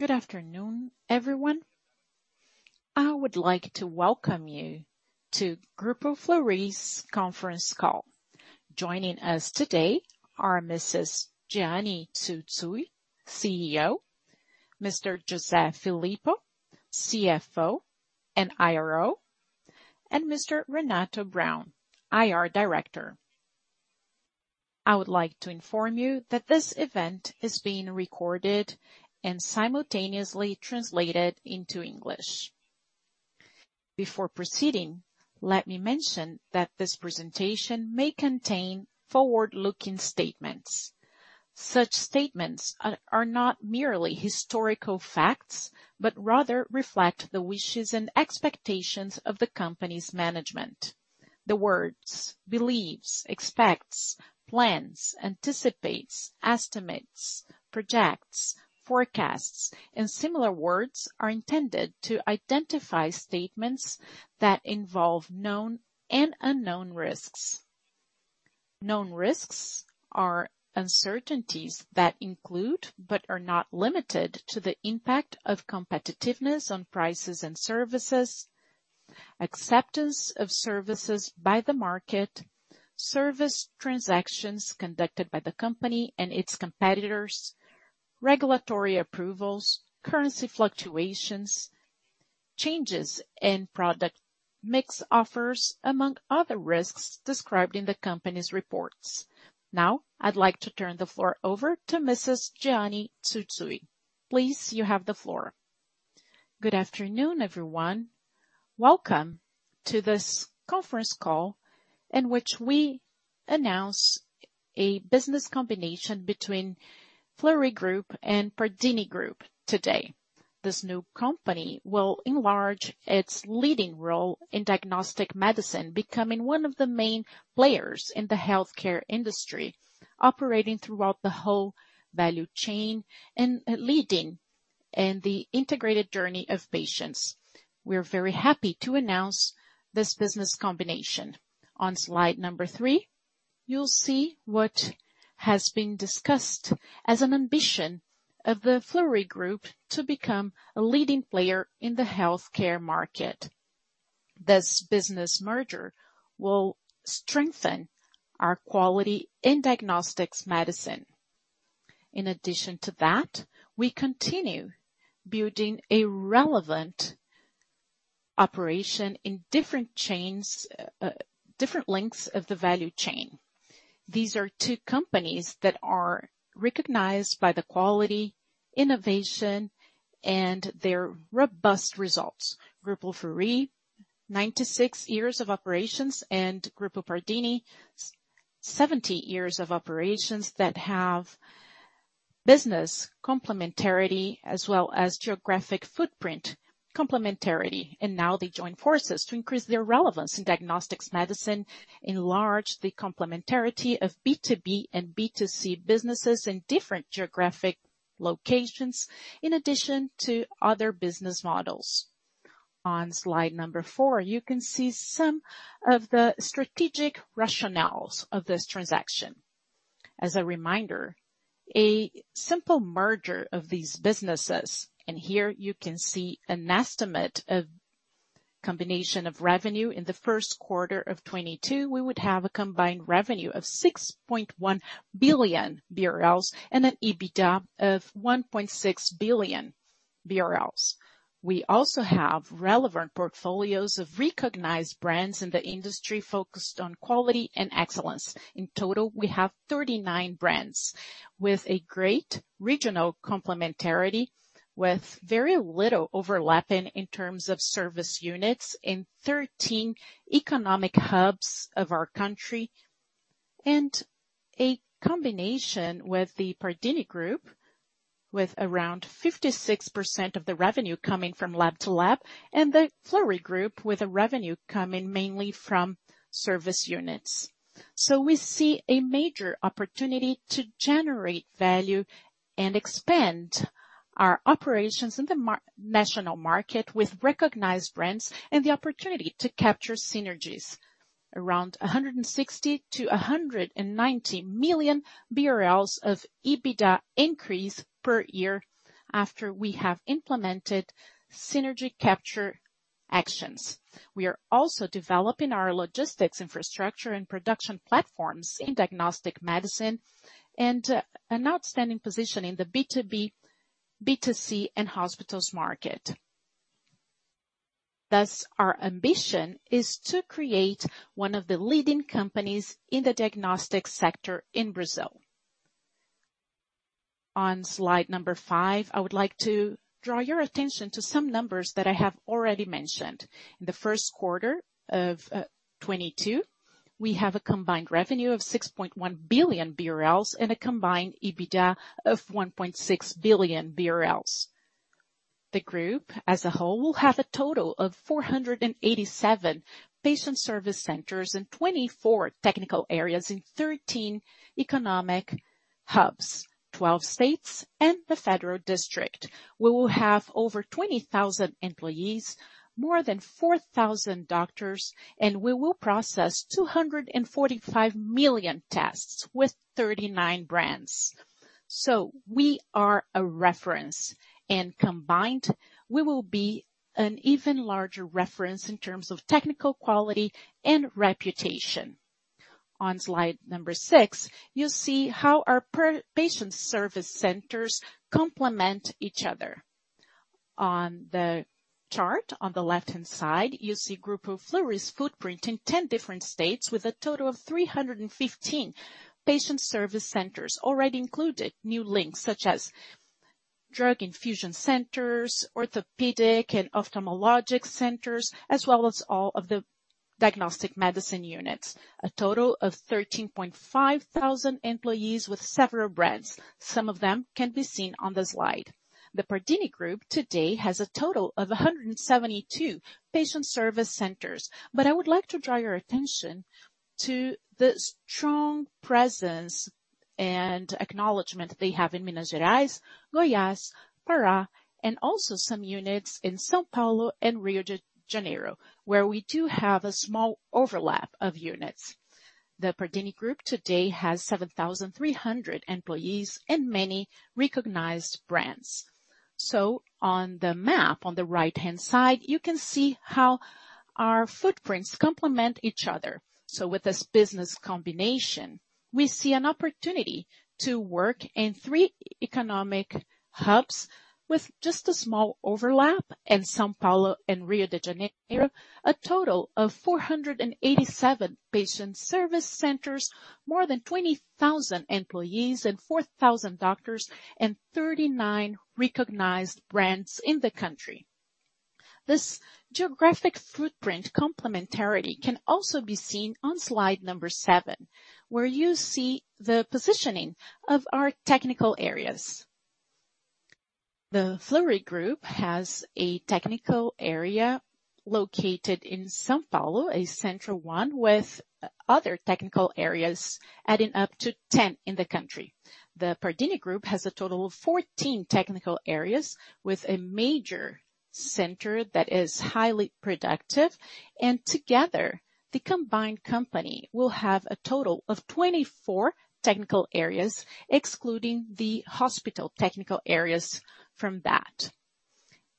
Good afternoon, everyone. I would like to welcome you to Grupo Fleury's Conference Call. Joining us today are Mrs. Jeane Tsutsui, CEO, Mr. José Filippo, CFO and IRO, and Mr. Renato Braun, IR Director. I would like to inform you that this event is being recorded and simultaneously translated into English. Before proceeding, let me mention that this presentation may contain forward-looking statements. Such statements are not merely historical facts, but rather reflect the wishes and expectations of the company's management. The words believes, expects, plans, anticipates, estimates, projects, forecasts, and similar words are intended to identify statements that involve known and unknown risks. Known risks are uncertainties that include, but are not limited to the impact of competitiveness on prices and services, acceptance of services by the market, service transactions conducted by the company and its competitors, regulatory approvals, currency fluctuations, changes in product mix offers, among other risks described in the company's reports. Now, I'd like to turn the floor over to Mrs. Jeane Tsutsui. Please, you have the floor. Good afternoon, everyone. Welcome to this conference call in which we announce a business combination between Fleury Group and Pardini Group today. This new company will enlarge its leading role in diagnostic medicine, becoming one of the main players in the healthcare industry, operating throughout the whole value chain and leading in the integrated journey of patients. We're very happy to announce this business combination. On slide number three, you'll see what has been discussed as an ambition of the Fleury Group to become a leading player in the healthcare market. This business merger will strengthen our quality in diagnostics medicine. In addition to that, we continue building a relevant operation in different chains, different lengths of the value chain. These are two companies that are recognized by the quality, innovation, and their robust results. Grupo Fleury, 96 years of operations, and Grupo Pardini, 70 years of operations that have business complementarity as well as geographic footprint complementarity. Now they join forces to increase their relevance in diagnostics medicine, enlarge the complementarity of B2B and B2C businesses in different geographic locations, in addition to other business models. On slide number 4, you can see some of the strategic rationales of this transaction. As a reminder, a simple merger of these businesses, and here you can see an estimate of combination of revenue. In the Q1 of 2022, we would have a combined revenue of 6.1 billion BRL and an EBITDA of 1.6 billion BRL. We also have relevant portfolios of recognized brands in the industry focused on quality and excellence. In total, we have 39 brands with a great regional complementarity, with very little overlapping in terms of service units in 13 economic hubs of our country. A combination with the Pardini Group, with around 56% of the revenue coming from lab-to-lab, and the Fleury Group, with the revenue coming mainly from service units. We see a major opportunity to generate value and expand our operations in the national market with recognized brands and the opportunity to capture synergies. Around 160 million-190 million BRL of EBITDA increase per year after we have implemented synergy capture actions. We are also developing our logistics infrastructure and production platforms in diagnostic medicine and an outstanding position in the B2B, B2C, and hospitals market. Thus, our ambition is to create one of the leading companies in the diagnostic sector in Brazil. On slide number 5, I would like to draw your attention to some numbers that I have already mentioned. In the Q1 of 2022, we have a combined revenue of 6.1 billion BRL and a combined EBITDA of 1.6 billion BRL. The group as a whole will have a total of 487 patient service centers in 24 technical areas in 13 economic hubs, 12 states and the Federal District. We will have over 20,000 employees, more than 4,000 doctors, and we will process 245 million tests with 39 brands. We are a reference. Combined, we will be an even larger reference in terms of technical quality and reputation. On slide number 6, you see how our patient service centers complement each other. On the chart on the left-hand side, you see Grupo Fleury's footprint in 10 different states with a total of 315 patient service centers already included new links such as drug infusion centers, orthopedic and ophthalmologic centers, as well as all of the diagnostic medicine units. A total of 13,500 employees with several brands. Some of them can be seen on the slide. The Pardini Group today has a total of 172 patient service centers. I would like to draw your attention to the strong presence and acknowledgement they have in Minas Gerais, Goiás, Pará, and also some units in São Paulo and Rio de Janeiro, where we do have a small overlap of units. The Pardini Group today has 7,300 employees and many recognized brands. On the map on the right-hand side, you can see how our footprints complement each other. With this business combination, we see an opportunity to work in three economic hubs with just a small overlap in São Paulo and Rio de Janeiro, a total of 487 patient service centers, more than 20,000 employees and 4,000 doctors, and 39 recognized brands in the country. This geographic footprint complementarity can also be seen on slide number 7, where you see the positioning of our technical areas. The Fleury Group has a technical area located in São Paulo, a central one with other technical areas, adding up to 10 in the country. The Pardini Group has a total of 14 technical areas with a major center that is highly productive. Together, the combined company will have a total of 24 technical areas, excluding the hospital technical areas from that.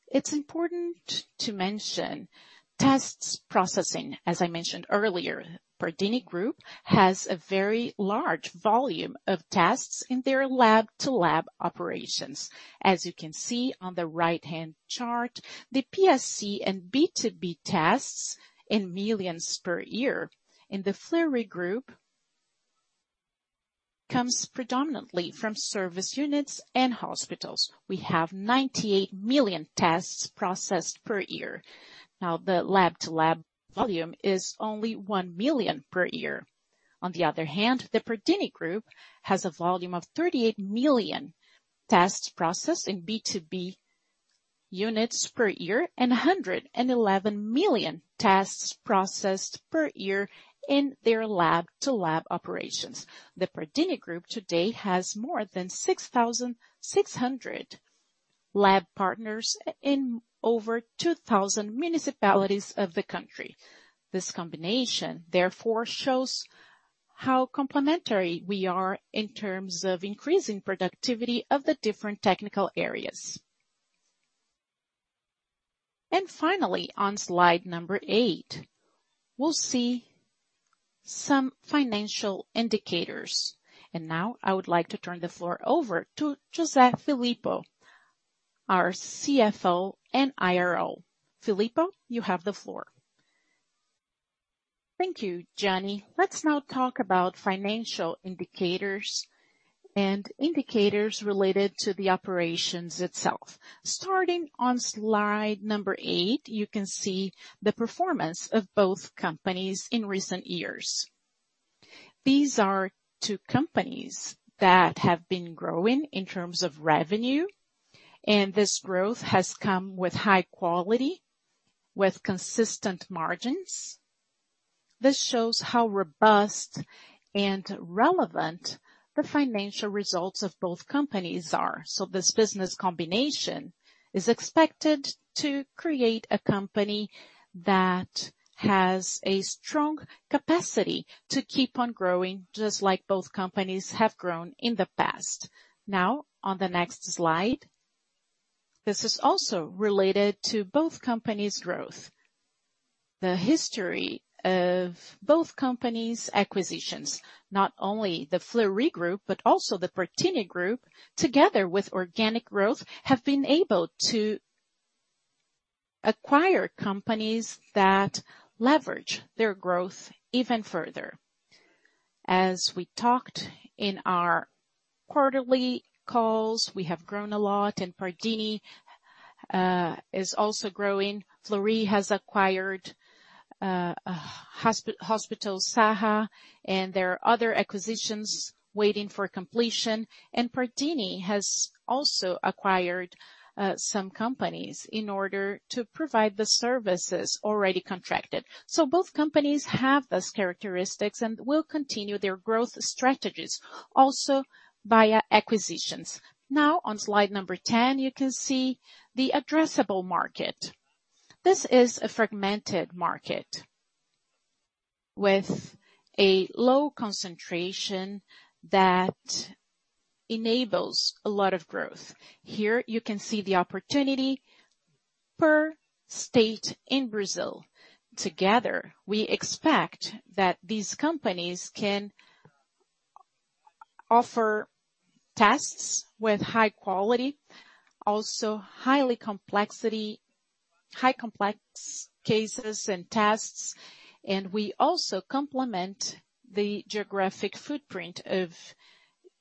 It's important to mention tests processing. As I mentioned earlier, Pardini Group has a very large volume of tests in their lab-to-lab operations. As you can see on the right-hand chart, the PSC and B2B tests in millions per year. In the Fleury Group, comes predominantly from service units and hospitals. We have 98 million tests processed per year. Now, the lab-to-lab volume is only 1 million per year. On the other hand, the Pardini Group has a volume of 38 million tests processed in B2B units per year and 111 million tests processed per year in their lab-to-lab operations. The Pardini Group today has more than 6,600 lab partners in over 2,000 municipalities of the country. This combination, therefore, shows how complementary we are in terms of increasing productivity of the different technical areas. Finally, on slide number 8, we'll see some financial indicators. Now I would like to turn the floor over to José Filippo, our CFO and IRO. Filippo, you have the floor. Thank you, Jeane Tsutsui. Let's now talk about financial indicators and indicators related to the operations itself. Starting on slide number 8, you can see the performance of both companies in recent years. These are two companies that have been growing in terms of revenue, and this growth has come with high quality, with consistent margins. This shows how robust and relevant the financial results of both companies are. This business combination is expected to create a company that has a strong capacity to keep on growing, just like both companies have grown in the past. Now, on the next slide, this is also related to both companies' growth. The history of both companies' acquisitions. Not only the Fleury Group, but also the Pardini Group, together with organic growth, have been able to acquire companies that leverage their growth even further. As we talked in our quarterly calls, we have grown a lot, and Pardini is also growing. Fleury has acquired Hospital Saha, and there are other acquisitions waiting for completion. Pardini has also acquired some companies in order to provide the services already contracted. Both companies have those characteristics and will continue their growth strategies also via acquisitions. Now on slide number 10, you can see the addressable market. This is a fragmented market with a low concentration that enables a lot of growth. Here you can see the opportunity per state in Brazil. Together, we expect that these companies can offer tests with high quality, also high complex cases and tests, and we also complement the geographic footprint of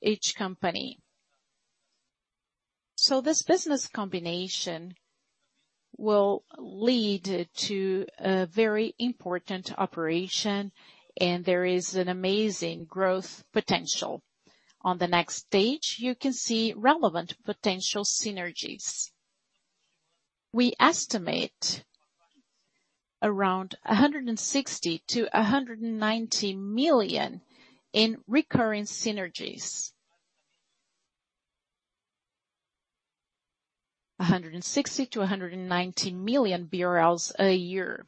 each company. This business combination will lead to a very important operation, and there is an amazing growth potential. On the next stage, you can see relevant potential synergies. We estimate around 160 million-190 million in recurring synergies. 160 million-190 million BRL a year.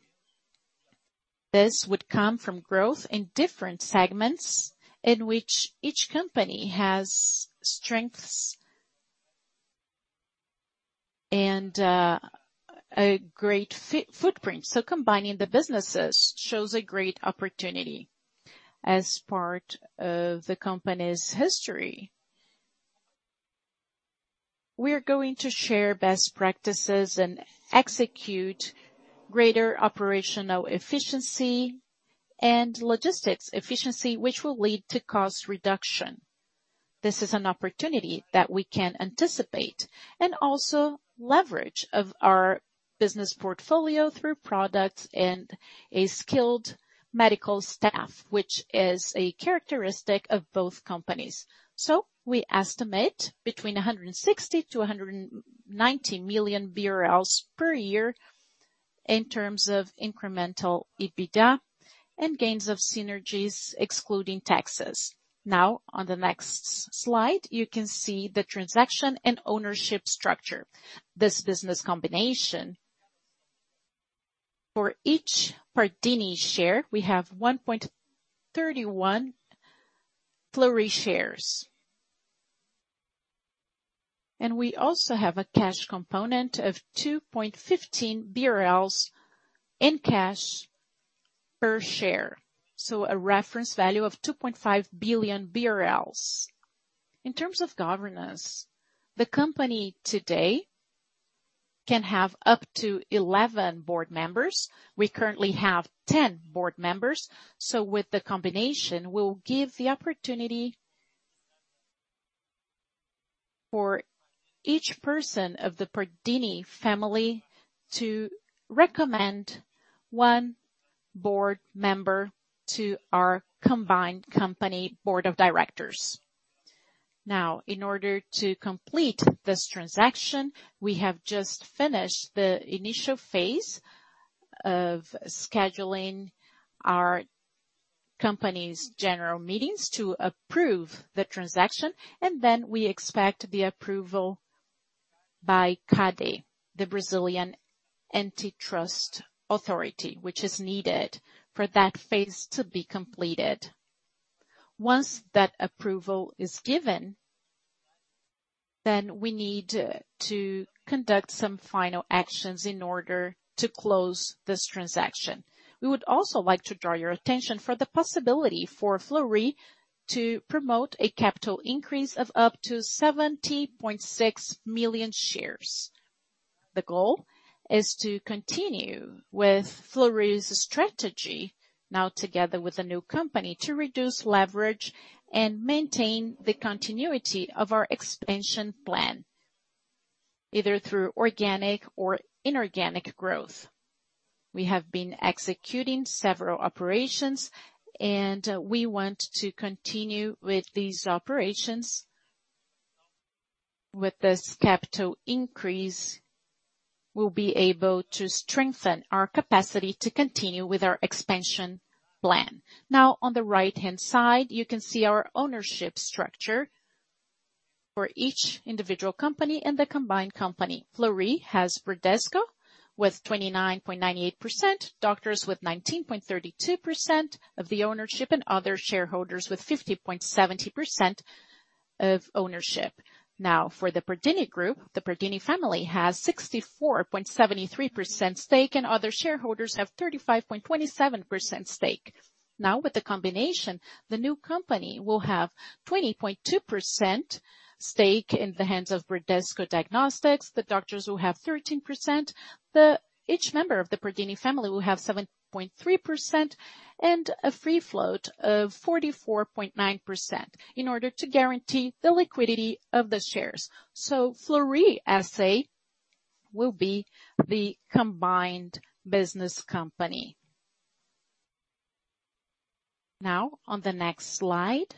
This would come from growth in different segments in which each company has strengths and a great footprint. Combining the businesses shows a great opportunity. As part of the company's history, we are going to share best practices and execute greater operational efficiency and logistics efficiency, which will lead to cost reduction. This is an opportunity that we can anticipate and also leverage our business portfolio through products and a skilled medical staff, which is a characteristic of both companies. We estimate between 160 to 190 million BRL per year in terms of incremental EBITDA and gains of synergies excluding taxes. Now, on the next slide, you can see the transaction and ownership structure. This business combination, for each Pardini share, we have 1.31 Fleury shares. We also have a cash component of 2.15 BRL in cash per share. A reference value of 2.5 billion BRL. In terms of governance, the company today can have up to 11 board members. We currently have 10 board members. With the combination, we'll give the opportunity for each person of the Pardini family to recommend one board member to our combined company board of directors. Now, in order to complete this transaction, we have just finished the initial phase of scheduling our company's general meetings to approve the transaction, and then we expect the approval by CADE, the Brazilian Antitrust Authority, which is needed for that phase to be completed. Once that approval is given, then we need to conduct some final actions in order to close this transaction. We would also like to draw your attention for the possibility for Fleury to promote a capital increase of up to 70.6 million shares. The goal is to continue with Fleury's strategy now together with the new company to reduce leverage and maintain the continuity of our expansion plan, either through organic or inorganic growth. We have been executing several operations and we want to continue with these operations. With this capital increase, we'll be able to strengthen our capacity to continue with our expansion plan. Now, on the right-hand side, you can see our ownership structure for each individual company and the combined company. Fleury has Bradesco with 29.98%, doctors with 19.32% of the ownership, and other shareholders with 50.70% of ownership. Now, for the Pardini Group, the Pardini family has 64.73% stake and other shareholders have 35.27% stake. Now, with the combination, the new company will have 20.2% stake in the hands of Bradesco Diagnóstico. The doctors will have 13%. Each member of the Pardini family will have 7.3% and a free float of 44.9% in order to guarantee the liquidity of the shares. Fleury S.A. will be the combined business company. Now, on the next slide,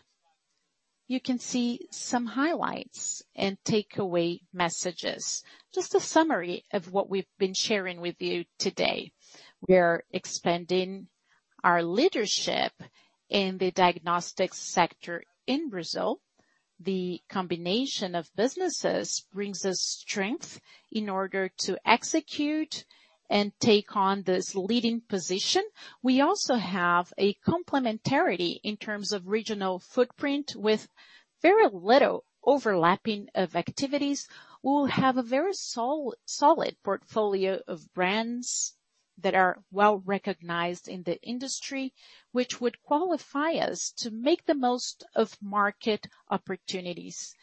you can see some highlights and takeaway messages. Just a summary of what we've been sharing with you today. We're expanding our leadership in the diagnostics sector in Brazil. The combination of businesses brings us strength in order to execute and take on this leading position. We also have a complementarity in terms of regional footprint with very little overlapping of activities. We'll have a very solid portfolio of brands that are well-recognized in the industry, which would qualify us to make the most of market opportunities.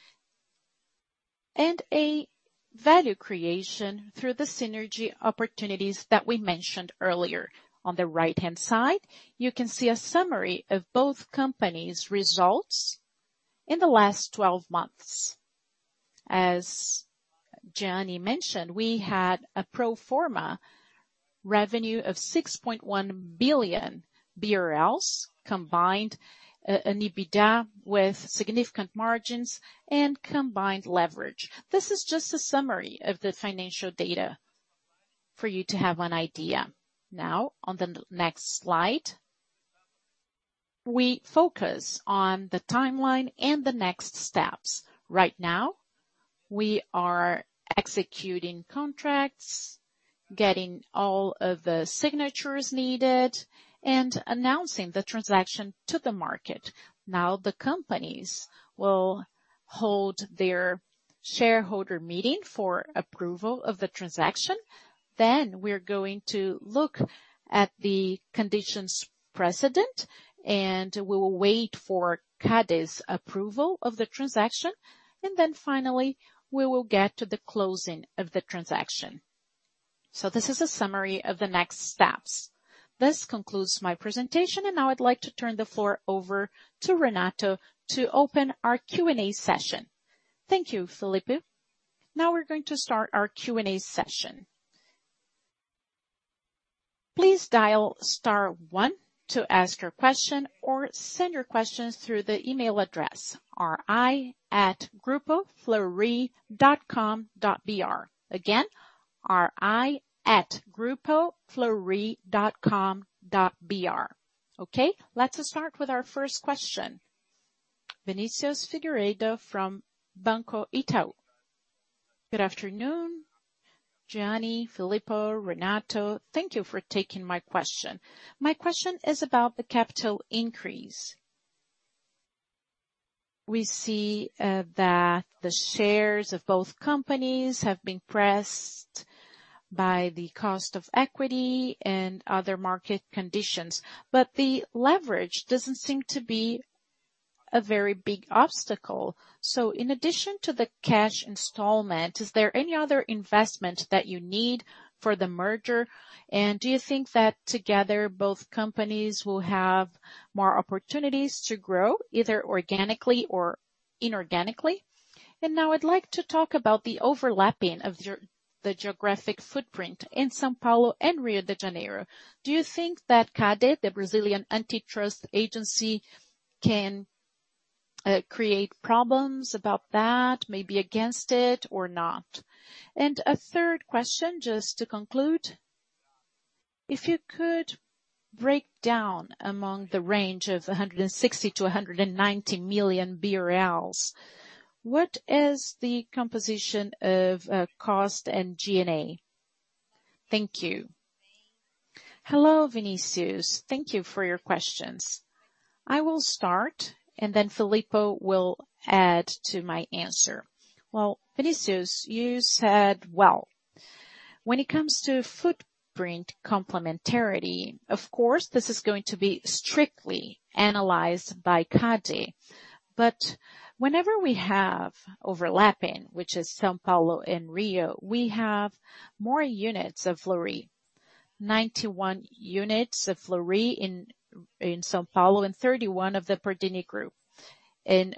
A value creation through the synergy opportunities that we mentioned earlier. On the right-hand side, you can see a summary of both companies' results in the last 12 months. As Jeane mentioned, we had a pro forma revenue of 6.1 billion BRL combined, an EBITDA with significant margins and combined leverage. This is just a summary of the financial data for you to have an idea. Now on the next slide, we focus on the timeline and the next steps. Right now, we are executing contracts, getting all of the signatures needed, and announcing the transaction to the market. Now, the companies will hold their shareholder meeting for approval of the transaction. Then we're going to look at the conditions precedent, and we will wait for CADE's approval of the transaction. Then finally, we will get to the closing of the transaction. This is a summary of the next steps. This concludes my presentation, and now I'd like to turn the floor over to Renato to open our Q&A session. Thank you, Filippo. Now we're going to start our Q&A session. Please dial star one to ask your question or send your questions through the email address, ri@grupofleury.com.br. Again, ri@grupofleury.com.br. Okay, let's start with our first question. Vinicius Figueiredo from Banco Itaú. Good afternoon, Jeane, Filippo, Renato. Thank you for taking my question. My question is about the capital increase. We see that the shares of both companies have been pressed by the cost of equity and other market conditions, but the leverage doesn't seem to be a very big obstacle. In addition to the cash installment, is there any other investment that you need for the merger? And do you think that together both companies will have more opportunities to grow, either organically or inorganically? Now I'd like to talk about the overlapping of the geographic footprint in São Paulo and Rio de Janeiro. Do you think that CADE, the Brazilian Antitrust Agency, can create problems about that, maybe against it or not? A third question, just to conclude. If you could break down among the range of 160 million-190 million BRL, what is the composition of cost and G&A? Thank you. Hello, Vinicius. Thank you for your questions. I will start, and then Filippo will add to my answer. Well, Vinicius, you said well. When it comes to footprint complementarity, of course, this is going to be strictly analyzed by CADE. But whenever we have overlapping, which is São Paulo and Rio, we have more units of Fleury. 91 units of Fleury in São Paulo and 31 of the Pardini Group. In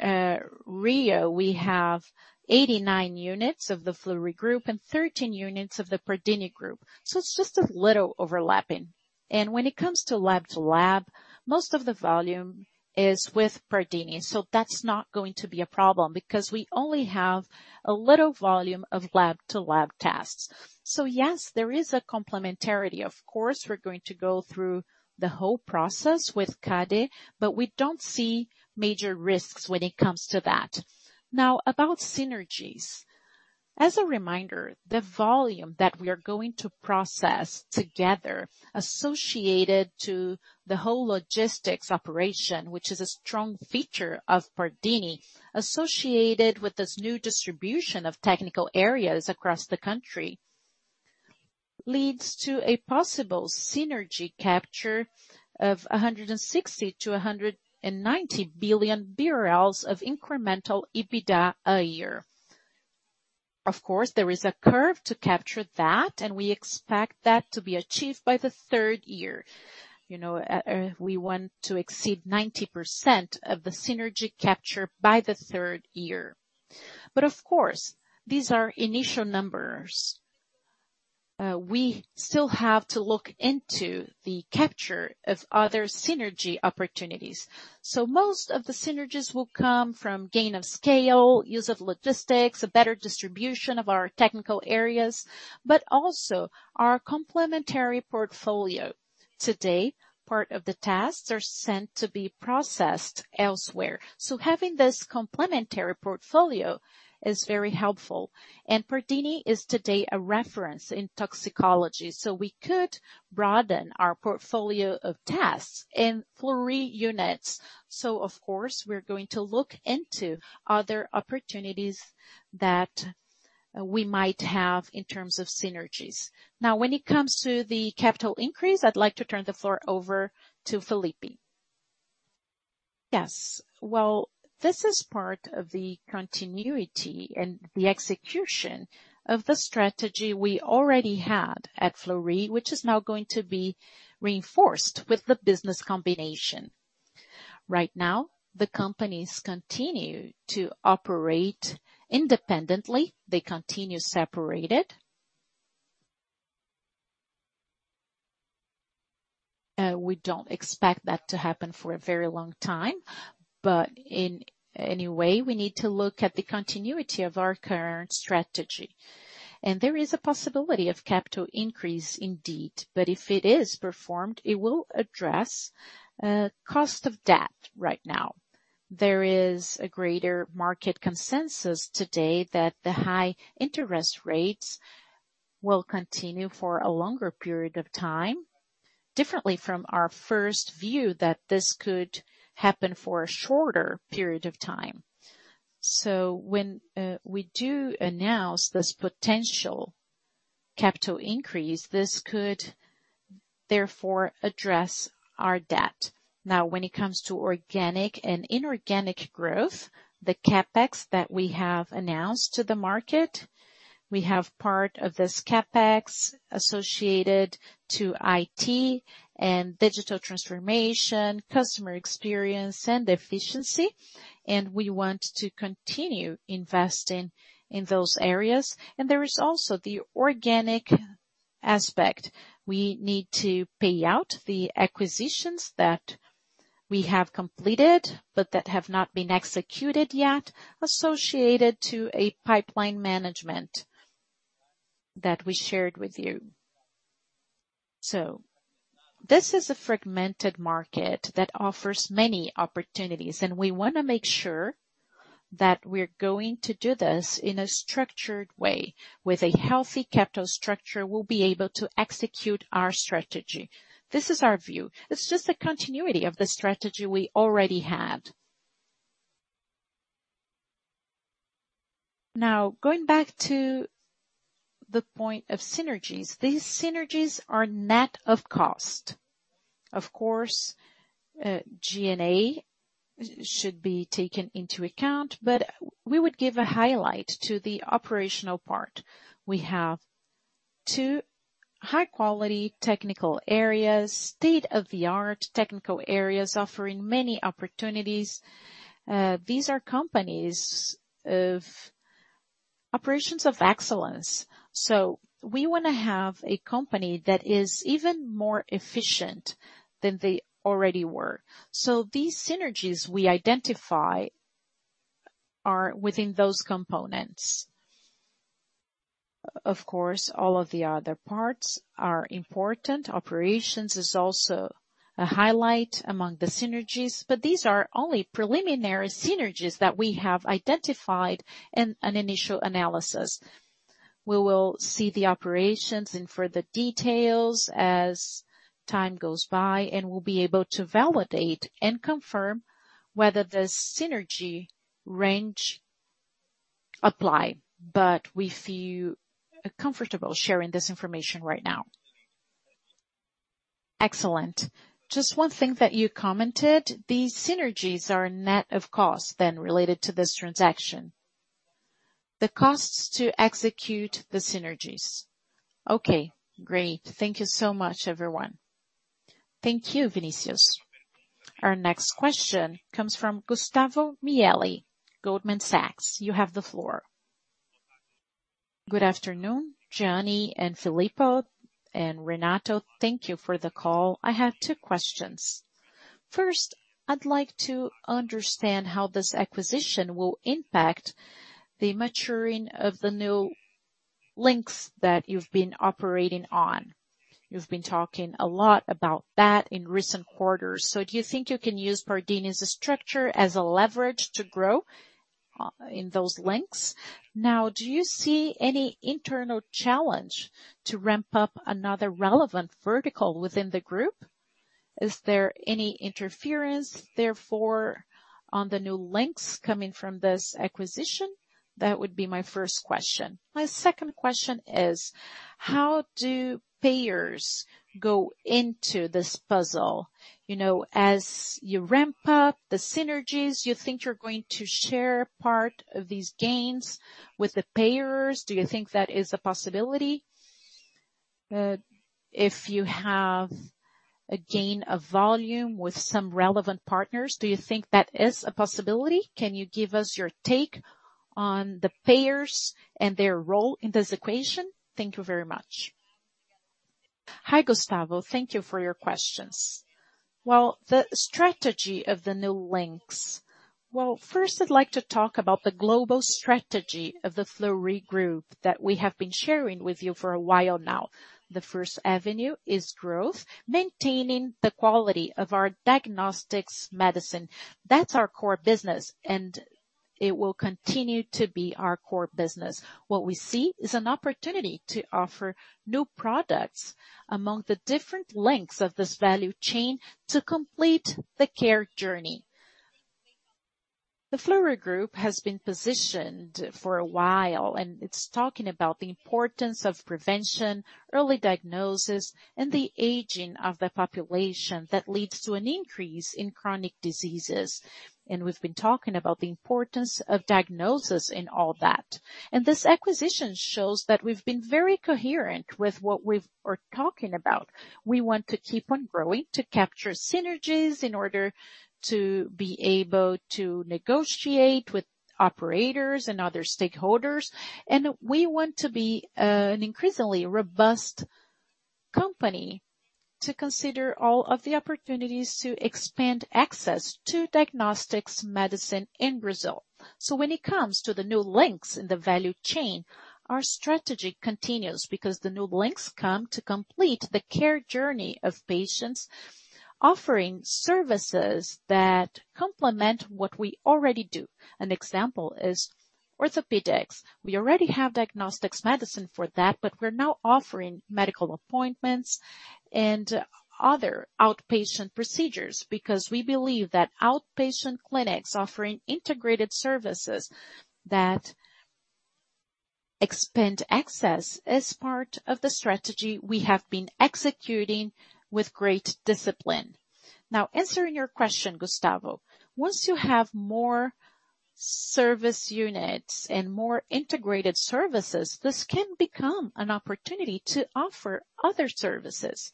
Rio, we have 89 units of the Fleury Group and 13 units of the Pardini Group. It's just a little overlapping. When it comes to lab-to-lab, most of the volume is with Pardini, so that's not going to be a problem because we only have a little volume of lab-to-lab tests. Yes, there is a complementarity. Of course, we're going to go through the whole process with CADE, but we don't see major risks when it comes to that. Now, about synergies. As a reminder, the volume that we are going to process together associated to the whole logistics operation, which is a strong feature of Pardini, associated with this new distribution of technical areas across the country, leads to a possible synergy capture of 160 billion-190 billion BRL of incremental EBITDA a year. Of course, there is a curve to capture that, and we expect that to be achieved by the third year. You know, we want to exceed 90% of the synergy capture by the third year. Of course, these are initial numbers. We still have to look into the capture of other synergy opportunities. Most of the synergies will come from gain of scale, use of logistics, a better distribution of our technical areas, but also our complementary portfolio. Today, part of the tasks are sent to be processed elsewhere. Having this complementary portfolio is very helpful. Pardini is today a reference in toxicology, so we could broaden our portfolio of tasks in Fleury units. Of course, we're going to look into other opportunities that we might have in terms of synergies. Now, when it comes to the capital increase, I'd like to turn the floor over to José Antonio de Almeida Filippo. Yes. Well, this is part of the continuity and the execution of the strategy we already had at Fleury, which is now going to be reinforced with the business combination. Right now, the companies continue to operate independently. They continue separated. We don't expect that to happen for a very long time, but in any way, we need to look at the continuity of our current strategy. There is a possibility of capital increase indeed, but if it is performed, it will address cost of debt right now. There is a greater market consensus today that the high interest rates will continue for a longer period of time, differently from our first view that this could happen for a shorter period of time. When we do announce this potential capital increase, this could therefore address our debt. Now, when it comes to organic and inorganic growth, the CapEx that we have announced to the market, we have part of this CapEx associated to IT and digital transformation, customer experience and efficiency, and we want to continue investing in those areas. There is also the organic aspect. We need to pay out the acquisitions that we have completed, but that have not been executed yet, associated to a pipeline management that we shared with you. This is a fragmented market that offers many opportunities, and we wanna make sure that we're going to do this in a structured way. With a healthy capital structure, we'll be able to execute our strategy. This is our view. It's just a continuity of the strategy we already had. Now, going back to the point of synergies. These synergies are net of cost. Of course, G&A should be taken into account, but we would give a highlight to the operational part. We have two high-quality technical areas, state-of-the-art technical areas offering many opportunities. These are companies of operations of excellence. We wanna have a company that is even more efficient than they already were. These synergies we identify are within those components. Of course, all of the other parts are important. Operations is also a highlight among the synergies, but these are only preliminary synergies that we have identified in an initial analysis. We will see the operations in further details as time goes by, and we'll be able to validate and confirm whether the synergy range apply. We feel comfortable sharing this information right now. Excellent. Just one thing that you commented. These synergies are net of cost, then, related to this transaction. The costs to execute the synergies. Okay, great. Thank you so much, everyone. Thank you, Vinicius. Our next question comes from Gustavo Mieli, Goldman Sachs. You have the floor. Good afternoon, Jeane, and Filippo, and Renato. Thank you for the call. I have two questions. First, I'd like to understand how this acquisition will impact the maturing of the new links that you've been operating on. You've been talking a lot about that in recent quarters. Do you think you can use Pardini's structure as a leverage to grow in those links? Now, do you see any internal challenge to ramp up another relevant vertical within the group? Is there any interference, therefore, on the new links coming from this acquisition? That would be my first question. My second question is: How do payers go into this puzzle? You know, as you ramp up the synergies, you think you're going to share part of these gains with the payers? Do you think that is a possibility? If you have a gain of volume with some relevant partners, do you think that is a possibility? Can you give us your take on the payers and their role in this equation? Thank you very much. Hi, Gustavo. Thank you for your questions. Well, first I'd like to talk about the global strategy of the Fleury Group that we have been sharing with you for a while now. The first avenue is growth, maintaining the quality of our diagnostic medicine. That's our core business, and it will continue to be our core business. What we see is an opportunity to offer new products among the different links of this value chain to complete the care journey. The Fleury Group has been positioned for a while, and it's talking about the importance of prevention, early diagnosis, and the aging of the population that leads to an increase in chronic diseases. We've been talking about the importance of diagnosis in all that. This acquisition shows that we've been very coherent with what we're talking about. We want to keep on growing to capture synergies in order to be able to negotiate with operators and other stakeholders. We want to be an increasingly robust company to consider all of the opportunities to expand access to diagnostic medicine in Brazil. When it comes to the new links in the value chain, our strategy continues because the new links come to complete the care journey of patients offering services that complement what we already do. An example is orthopedics. We already have diagnostics medicine for that, but we're now offering medical appointments and other outpatient procedures because we believe that outpatient clinics offering integrated services that expand access is part of the strategy we have been executing with great discipline. Now answering your question, Gustavo, once you have more service units and more integrated services, this can become an opportunity to offer other services.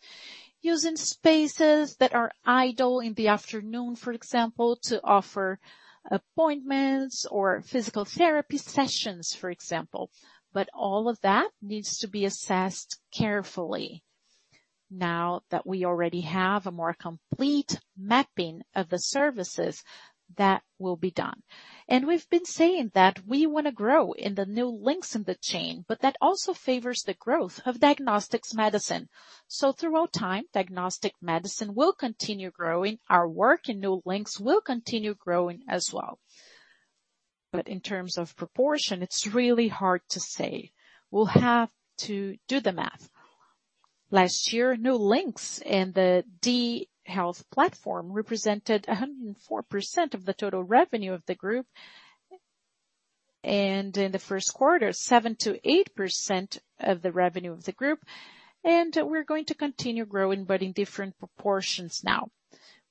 Using spaces that are idle in the afternoon, for example, to offer appointments or physical therapy sessions, for example. All of that needs to be assessed carefully now that we already have a more complete mapping of the services that will be done. We've been saying that we wanna grow in the new links in the chain, but that also favors the growth of diagnostic medicine. Throughout time, diagnostic medicine will continue growing. Our work in new links will continue growing as well. In terms of proportion, it's really hard to say. We'll have to do the math. Last year, new links in the dHealth platform represented 104% of the total revenue of the group. In the Q1, 7%-8% of the revenue of the group. We're going to continue growing, but in different proportions now.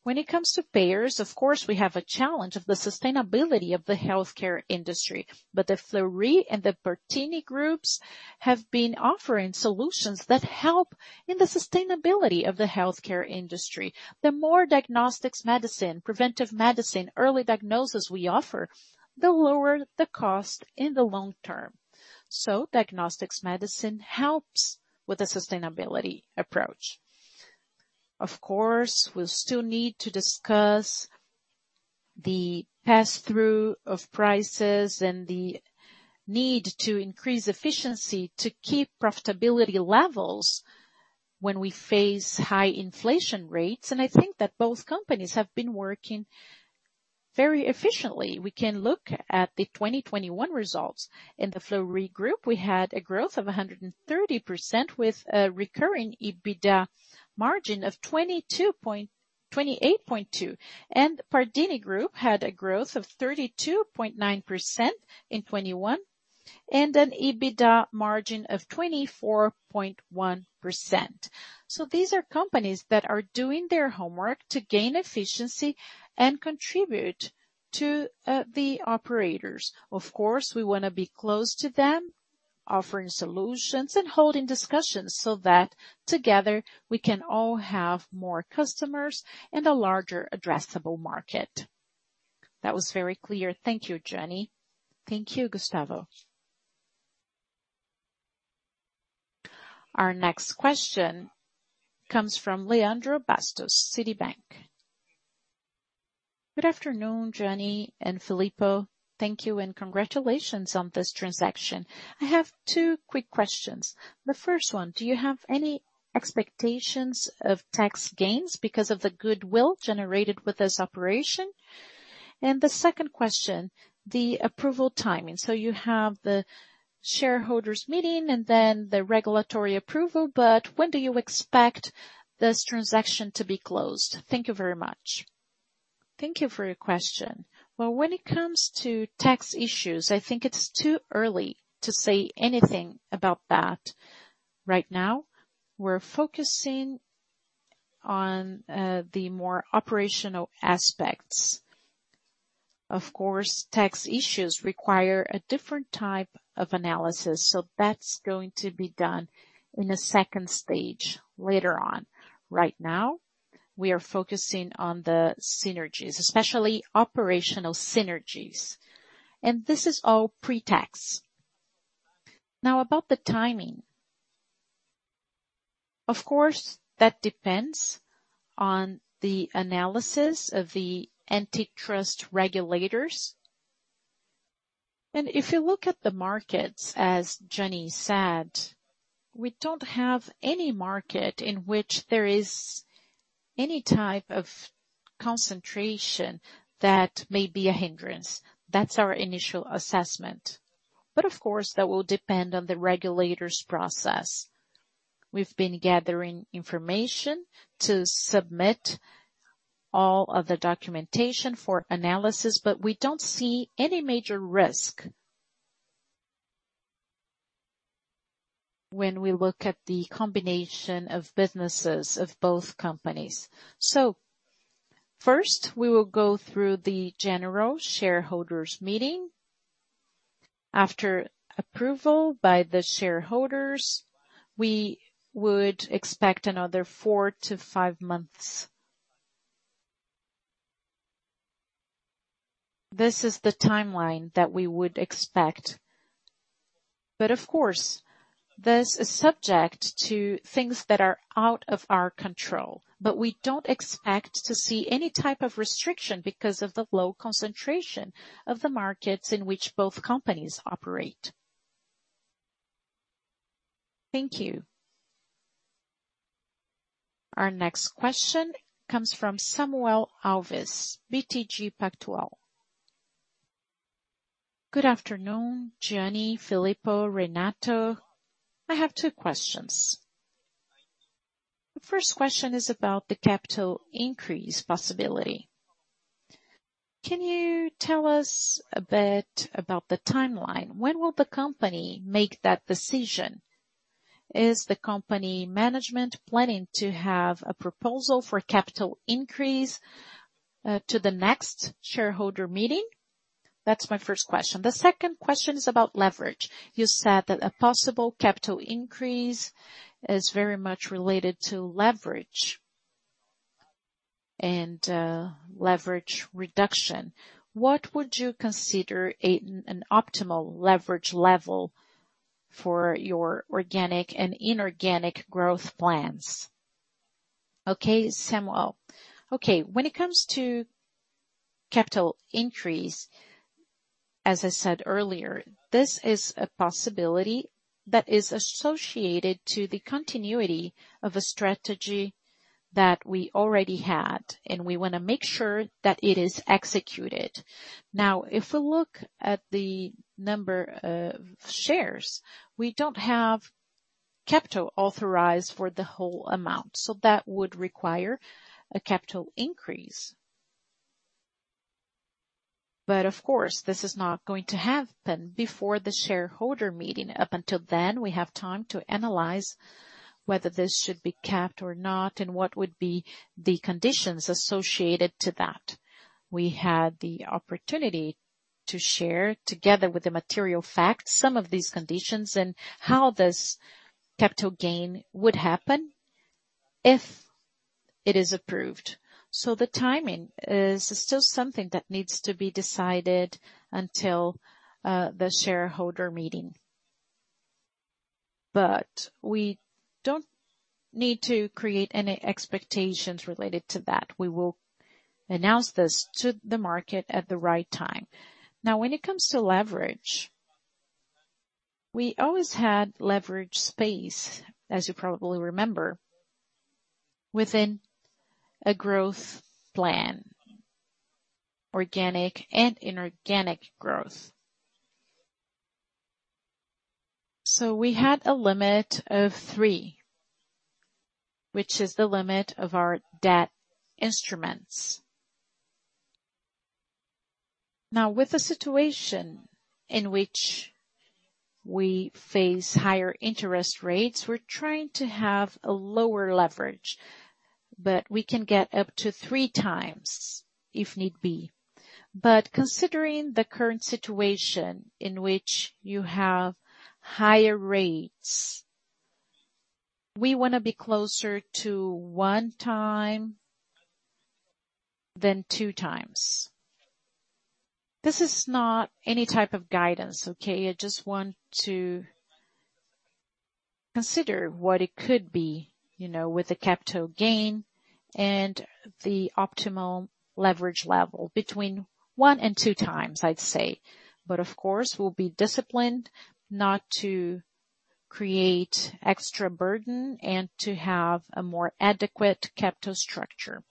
When it comes to payers, of course, we have a challenge of the sustainability of the healthcare industry. The Fleury and Pardini Groups have been offering solutions that help in the sustainability of the healthcare industry. The more diagnostics medicine, preventive medicine, early diagnosis we offer, the lower the cost in the long term. Diagnostics medicine helps with the sustainability approach. Of course, we'll still need to discuss the pass-through of prices and the need to increase efficiency to keep profitability levels when we face high inflation rates. I think that both companies have been working very efficiently. We can look at the 2021 results. In the Fleury Group, we had a growth of 130% with a recurring EBITDA margin of 28.2. Pardini Group had a growth of 32.9% in 2021 and an EBITDA margin of 24.1%. These are companies that are doing their homework to gain efficiency and contribute to the operators. Of course, we wanna be close to them, offering solutions and holding discussions so that together we can all have more customers and a larger addressable market. That was very clear. Thank you, Jeane. Thank you, Gustavo. Our next question comes from Leandro Bastos, Citibank. Good afternoon, Jeane and Filippo. Thank you and congratulations on this transaction. I have two quick questions. The first one, do you have any expectations of tax gains because of the goodwill generated with this operation? The second question, the approval timing. You have the shareholders meeting and then the regulatory approval, but when do you expect this transaction to be closed? Thank you very much. Thank you for your question. Well, when it comes to tax issues, I think it's too early to say anything about that. Right now, we're focusing on the more operational aspects. Of course, tax issues require a different type of analysis, so that's going to be done in a second stage later on. Right now, we are focusing on the synergies, especially operational synergies. This is all pre-tax. Now about the timing. Of course, that depends on the analysis of the antitrust regulators. If you look at the markets, as Jeane Tsutsui said, we don't have any market in which there is any type of concentration that may be a hindrance. That's our initial assessment. Of course, that will depend on the regulator's process. We've been gathering information to submit all of the documentation for analysis, but we don't see any major risk, when we look at the combination of businesses of both companies. First, we will go through the general shareholders meeting. After approval by the shareholders, we would expect another 4-5 months. This is the timeline that we would expect. Of course, this is subject to things that are out of our control. We don't expect to see any type of restriction because of the low concentration of the markets in which both companies operate. Thank you. Our next question comes from Samuel Alves, BTG Pactual. Good afternoon, Jeane, Filippo, Renato. I have two questions. The first question is about the capital increase possibility. Can you tell us a bit about the timeline? When will the company make that decision? Is the company management planning to have a proposal for capital increase to the next shareholder meeting? That's my first question. The second question is about leverage. You said that a possible capital increase is very much related to leverage and leverage reduction. What would you consider an optimal leverage level for your organic and inorganic growth plans? Okay, Samuel. Okay, when it comes to capital increase, as I said earlier, this is a possibility that is associated to the continuity of a strategy that we already had, and we wanna make sure that it is executed. Now, if we look at the number of shares, we don't have capital authorized for the whole amount, so that would require a capital increase. But of course, this is not going to happen before the shareholder meeting. Up until then, we have time to analyze whether this should be capped or not and what would be the conditions associated to that. We had the opportunity to share together with the material facts some of these conditions and how this capital increase would happen if it is approved. The timing is still something that needs to be decided until the shareholder meeting. We don't need to create any expectations related to that. We will announce this to the market at the right time. Now, when it comes to leverage, we always had leverage space, as you probably remember, within a growth plan, organic and inorganic growth. We had a limit of 3, which is the limit of our debt instruments. Now, with the situation in which we face higher interest rates, we're trying to have a lower leverage, but we can get up to 3x if need be. Considering the current situation in which you have higher rates, we wanna be closer to 1x than 2x. This is not any type of guidance, okay? I just want to consider what it could be, you know, with the capital gain and the optimal leverage level between 1x and 2x, I'd say. Of course, we'll be disciplined not to create extra burden and to have a more adequate capital structure.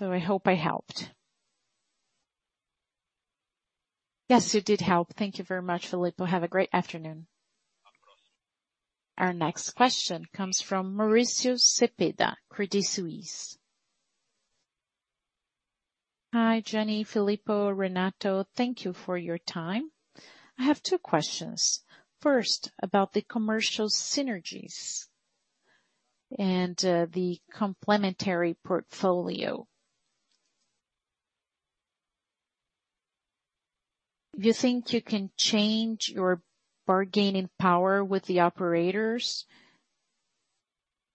I hope I helped. Yes, you did help. Thank you very much, Filippo. Have a great afternoon. Of course. Our next question comes from Mauricio Cepeda, Morgan Stanley. Hi, Jeane Tsutsui, José Antonio de Almeida Filippo, Renato de Oliveira Braun. Thank you for your time. I have two questions. First, about the commercial synergies and, the complementary portfolio. Do you think you can change your bargaining power with the operators?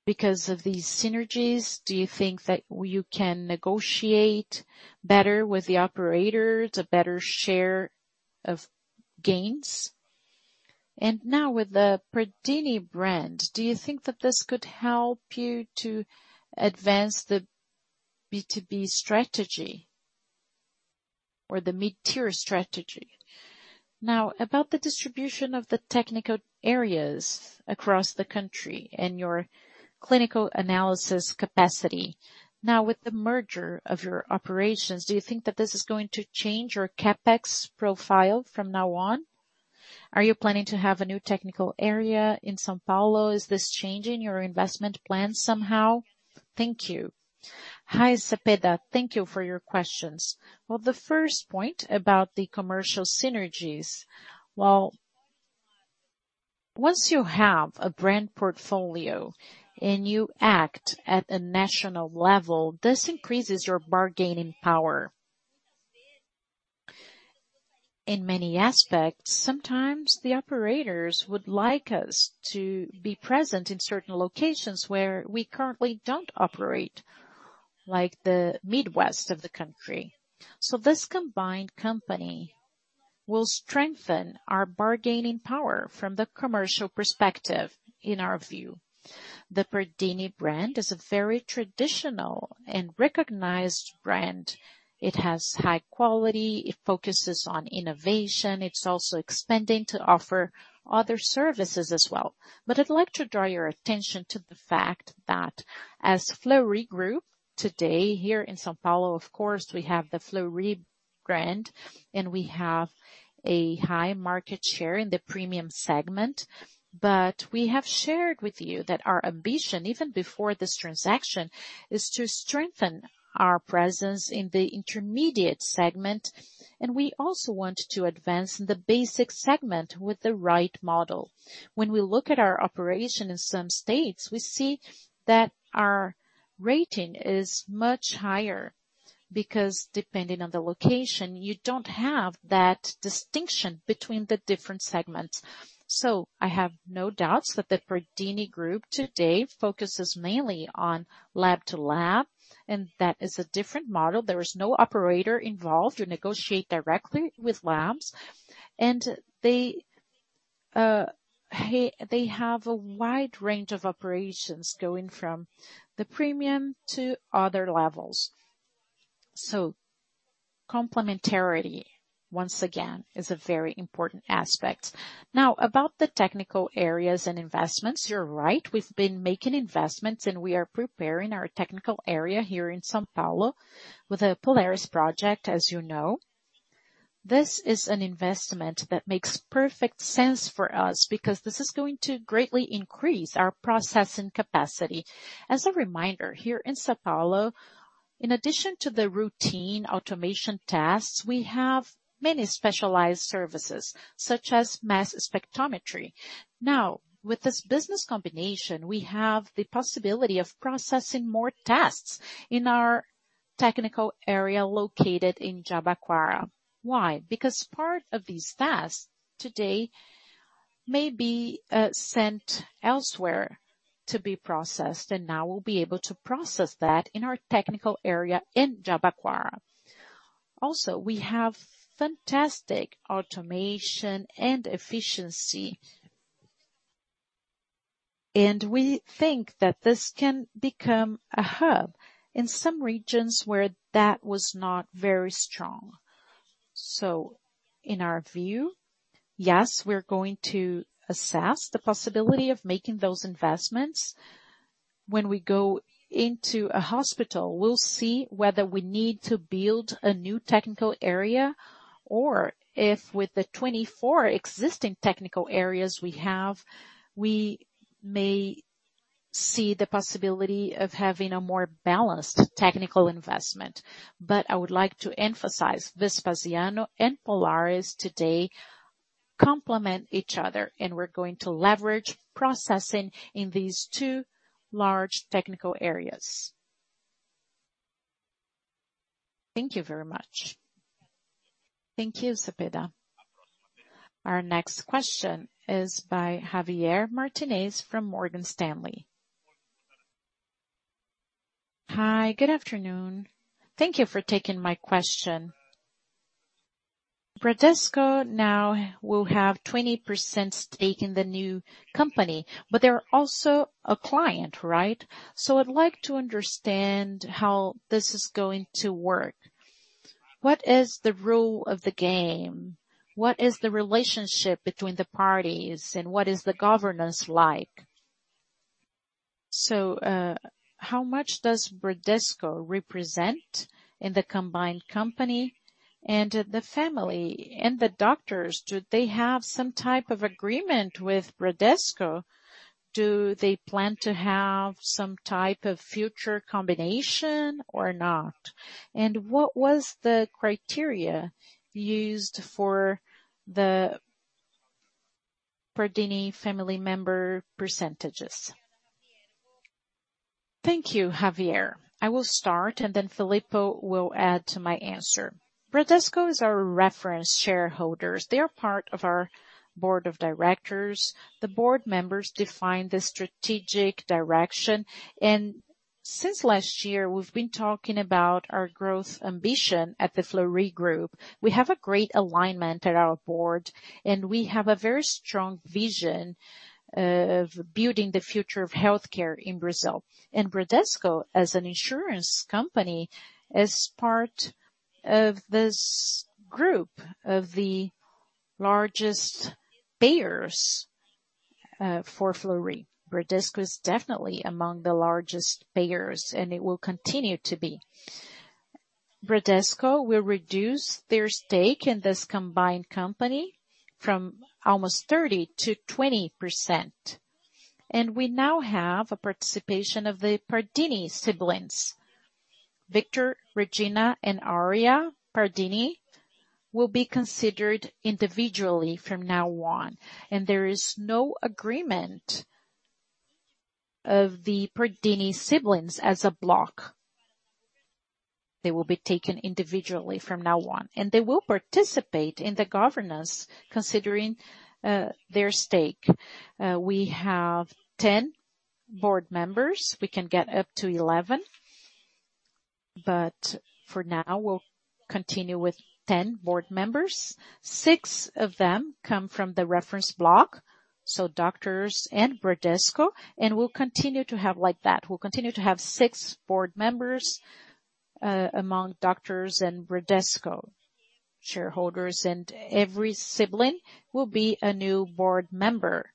Because of these synergies, do you think that you can negotiate better with the operators, a better share of gains? Now with the Pardini brand, do you think that this could help you to advance the B2B strategy or the mid-tier strategy? Now about the distribution of the technical areas across the country and your clinical analysis capacity. Now with the merger of your operations, do you think that this is going to change your CapEx profile from now on? Are you planning to have a new technical area in São Paulo? Is this changing your investment plan somehow? Thank you. Hi, Mauricio Cepeda. Thank you for your questions. Well, the first point about the commercial synergies. Well, once you have a brand portfolio and you act at a national level, this increases your bargaining power. In many aspects, sometimes the operators would like us to be present in certain locations where we currently don't operate, like the Midwest of the country. This combined company will strengthen our bargaining power from the commercial perspective, in our view. The Pardini brand is a very traditional and recognized brand. It has high quality. It focuses on innovation. It's also expanding to offer other services as well. I'd like to draw your attention to the fact that as Fleury Group today here in São Paulo, of course, we have the Fleury brand, and we have a high market share in the premium segment. We have shared with you that our ambition, even before this transaction, is to strengthen our presence in the intermediate segment, and we also want to advance in the basic segment with the right model. When we look at our operation in some states, we see that our rating is much higher because depending on the location, you don't have that distinction between the different segments. I have no doubts that the Pardini Group today focuses mainly on lab to lab, and that is a different model. There is no operator involved. You negotiate directly with labs, and they have a wide range of operations going from the premium to other levels. Complementarity, once again, is a very important aspect. Now about the technical areas and investments, you're right. We've been making investments, and we are preparing our technical area here in São Paulo with the Polaris project, as you know. This is an investment that makes perfect sense for us because this is going to greatly increase our processing capacity. As a reminder, here in São Paulo, in addition to the routine automation tasks, we have many specialized services, such as mass spectrometry. Now, with this business combination, we have the possibility of processing more tests in our technical area located in Jabaquara. Why? Because part of these tests today may be sent elsewhere to be processed, and now we'll be able to process that in our technical area in Jabaquara. Also, we have fantastic automation and efficiency. We think that this can become a hub in some regions where that was not very strong. In our view, yes, we're going to assess the possibility of making those investments. When we go into a hospital, we'll see whether we need to build a new technical area or if with the 24 existing technical areas we have, we may see the possibility of having a more balanced technical investment. I would like to emphasize, Vespasiano and Polaris today complement each other, and we're going to leverage processing in these two large technical areas. Thank you very much. Thank you, Cepeda. Our next question is by Javier Martínez from Morgan Stanley. Hi, good afternoon. Thank you for taking my question. Bradesco now will have 20% stake in the new company, but they're also a client, right? I'd like to understand how this is going to work. What is the rule of the game? What is the relationship between the parties, and what is the governance like? How much does Bradesco represent in the combined company and the family and the doctors, do they have some type of agreement with Bradesco? Do they plan to have some type of future combination or not? And what was the criteria used for the Pardini family member percentages? Thank you, Javier. I will start, and then Filippo will add to my answer. Bradesco is our reference shareholders. They are part of our board of directors. The board members define the strategic direction. Since last year, we've been talking about our growth ambition at the Fleury Group. We have a great alignment at our board, and we have a very strong vision of building the future of healthcare in Brazil. Bradesco, as an insurance company, is part of this group of the largest payers for Fleury. Bradesco is definitely among the largest payers, and it will continue to be. Bradesco will reduce their stake in this combined company from almost 30 to 20%. We now have a participation of the Pardini siblings. Victor, Regina, and Hermes Pardini will be considered individually from now on. There is no agreement of the Pardini siblings as a block. They will be taken individually from now on, and they will participate in the governance considering their stake. We have 10 board members. We can get up to 11, but for now, we'll continue with 10 board members. 6 of them come from the reference block, so doctors and Bradesco. We'll continue to have like that. We'll continue to have six board members among doctors and Bradesco shareholders. Every sibling will be a new board member,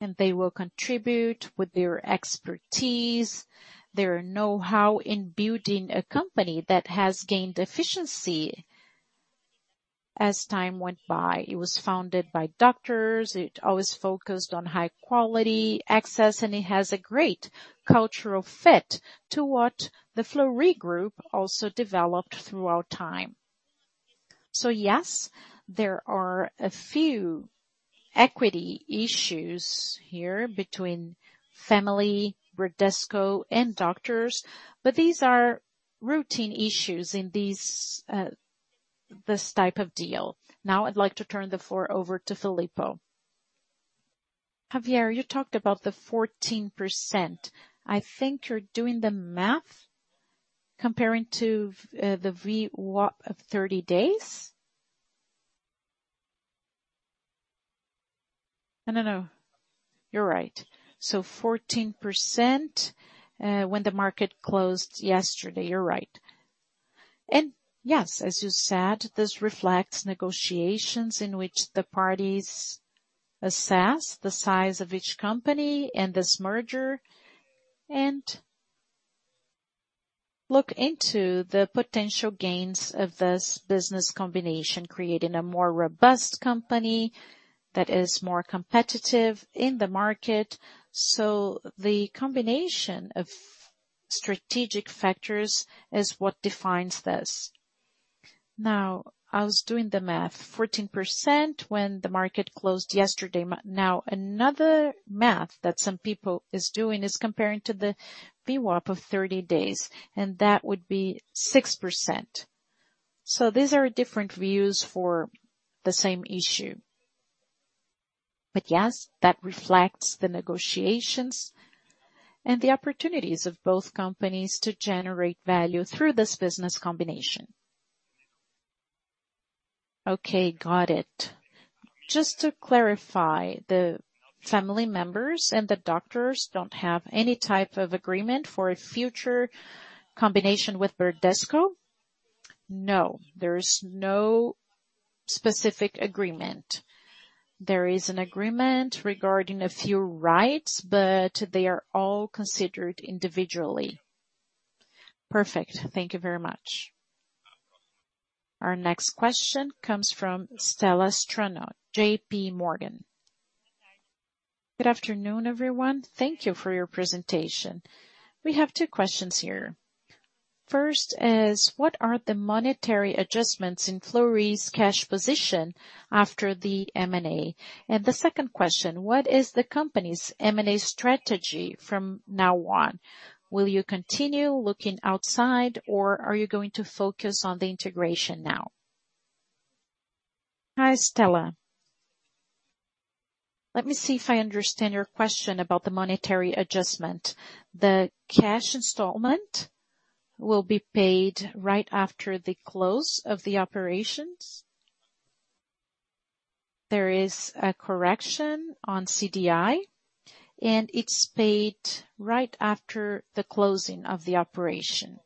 and they will contribute with their expertise, their know-how in building a company that has gained efficiency as time went by. It was founded by doctors. It always focused on high quality access, and it has a great cultural fit to what the Fleury Group also developed throughout time. Yes, there are a few equity issues here between family, Bradesco and doctors, but these are routine issues in this type of deal. Now I'd like to turn the floor over to Filippo. Javier, you talked about the 14%. I think you're doing the math comparing to the VWAP of 30 days. No, you're right. 14% when the market closed yesterday, you're right. Yes, as you said, this reflects negotiations in which the parties assess the size of each company and this merger and look into the potential gains of this business combination, creating a more robust company that is more competitive in the market. The combination of strategic factors is what defines this. Now, I was doing the math. 14% when the market closed yesterday. Now, another math that some people is doing is comparing to the VWAP of 30 days, and that would be 6%. These are different views for the same issue. Yes, that reflects the negotiations and the opportunities of both companies to generate value through this business combination. Okay, got it. Just to clarify, the family members and the doctors don't have any type of agreement for a future combination with Bradesco? No, there is no specific agreement. There is an agreement regarding a few rights, but they are all considered individually. Perfect. Thank you very much. Our next question comes from Estela Strano, J.P. Morgan. Good afternoon, everyone. Thank you for your presentation. We have two questions here. First is: What are the monetary adjustments in Fleury's cash position after the M&A? The second question: What is the company's M&A strategy from now on? Will you continue looking outside, or are you going to focus on the integration now? Hi, Estela. Let me see if I understand your question about the monetary adjustment. The cash installment will be paid right after the close of the operations. There is a correction on CDI, and it's paid right after the closing of the operation.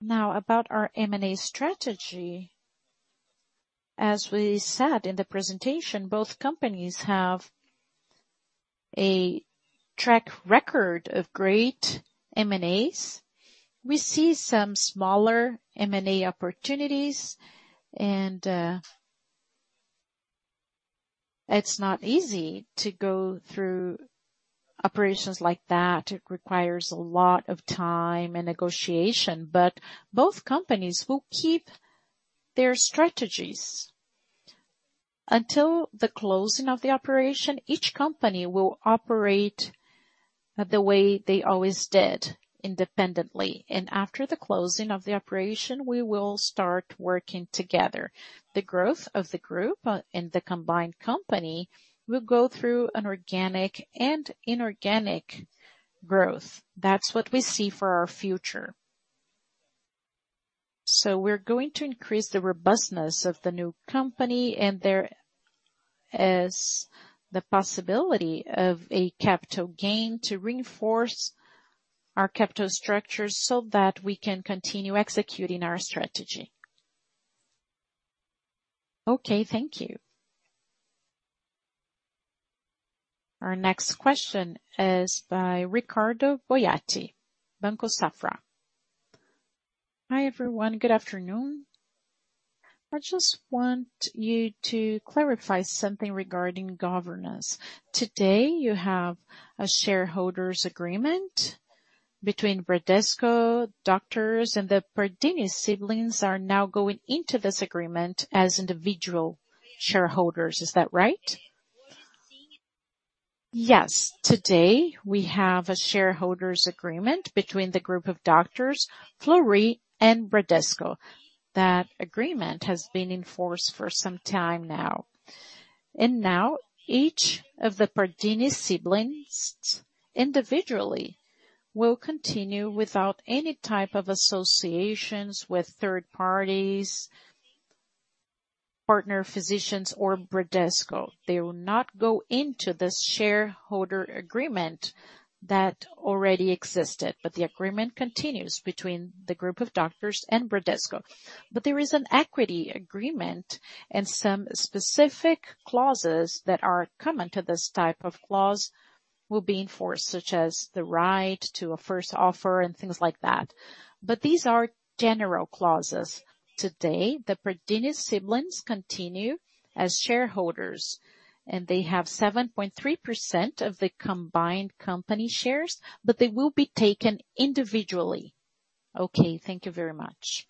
Now, about our M&A strategy, as we said in the presentation, both companies have a track record of great M&As. We see some smaller M&A opportunities. It's not easy to go through operations like that. It requires a lot of time and negotiation, but both companies will keep their strategies. Until the closing of the operation, each company will operate the way they always did independently. After the closing of the operation, we will start working together. The growth of the group and the combined company will go through an organic and inorganic growth. That's what we see for our future. We're going to increase the robustness of the new company, and there is the possibility of a capital gain to reinforce our capital structure so that we can continue executing our strategy. Okay, thank you. Our next question is by Ricardo Boiati, Banco Safra. Hi, everyone. Good afternoon. I just want you to clarify something regarding governance. Today you have a shareholders agreement between Bradesco doctors and the Pardini siblings are now going into this agreement as individual shareholders. Is that right? Yes. Today we have a shareholders agreement between the group of doctors, Fleury and Bradesco. That agreement has been in force for some time now. Now each of the Pardini siblings individually will continue without any type of associations with third parties, partner physicians or Bradesco. They will not go into this shareholder agreement that already existed, but the agreement continues between the group of doctors and Bradesco. There is an equity agreement and some specific clauses that are common to this type of clause will be enforced, such as the right to a first offer and things like that. These are general clauses. Today, the Pardini siblings continue as shareholders, and they have 7.3% of the combined company shares, but they will be taken individually. Okay, thank you very much.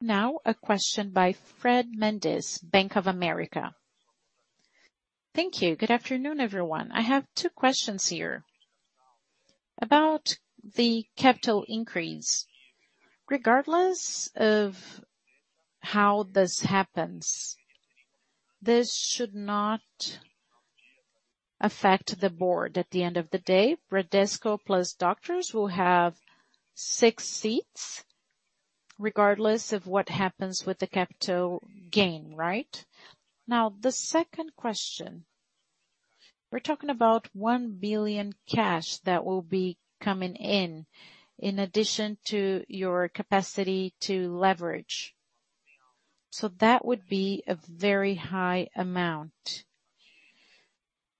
Now a question by Fred Mendes, Bank of America. Thank you. Good afternoon, everyone. I have two questions here. About the capital increase. Regardless of how this happens, this should not affect the board. At the end of the day, Bradesco plus doctors will have six seats, regardless of what happens with the capital increase, right? Now, the second question, we're talking about 1 billion cash that will be coming in in addition to your capacity to leverage. So that would be a very high amount.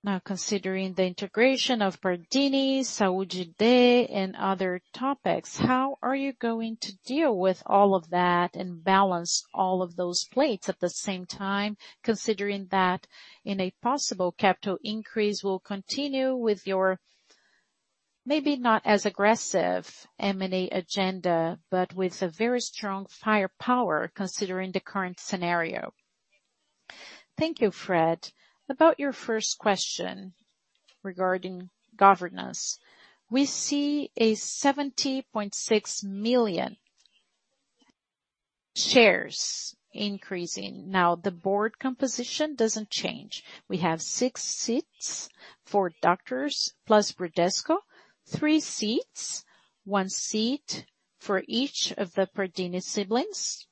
Now, considering the integration of Pardini, Saúde Digital and other topics, how are you going to deal with all of that and balance all of those plates at the same time, considering that in a possible capital increase will continue with your maybe not as aggressive M&A agenda, but with a very strong firepower considering the current scenario? Thank you, Fred. About your first question regarding governance, we see 70.6 million shares increasing. Now, the board composition doesn't change. We have 6 seats for doctors plus Bradesco, 3 seats, 1 seat for each of the Pardini siblings,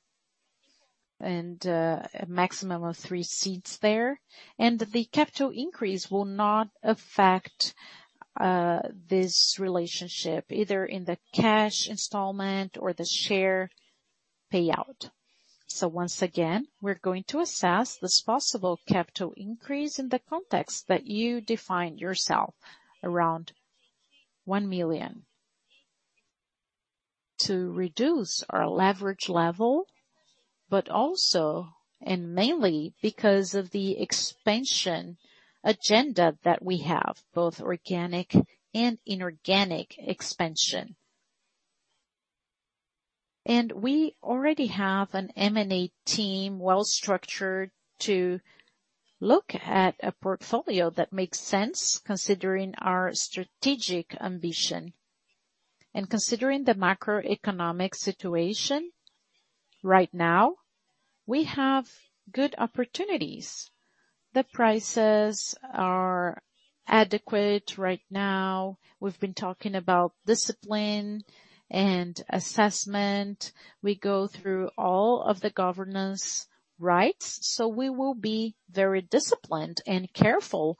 and a maximum of 3 seats there. The capital increase will not affect this relationship, either in the cash installment or the share payout. Once again, we're going to assess this possible capital increase in the context that you defined yourself around 1 million to reduce our leverage level, but also and mainly because of the expansion agenda that we have, both organic and inorganic expansion. We already have an M&A team well-structured to look at a portfolio that makes sense considering our strategic ambition. Considering the macroeconomic situation right now, we have good opportunities. The prices are adequate right now. We've been talking about discipline and assessment. We go through all of the governance rights, so we will be very disciplined and careful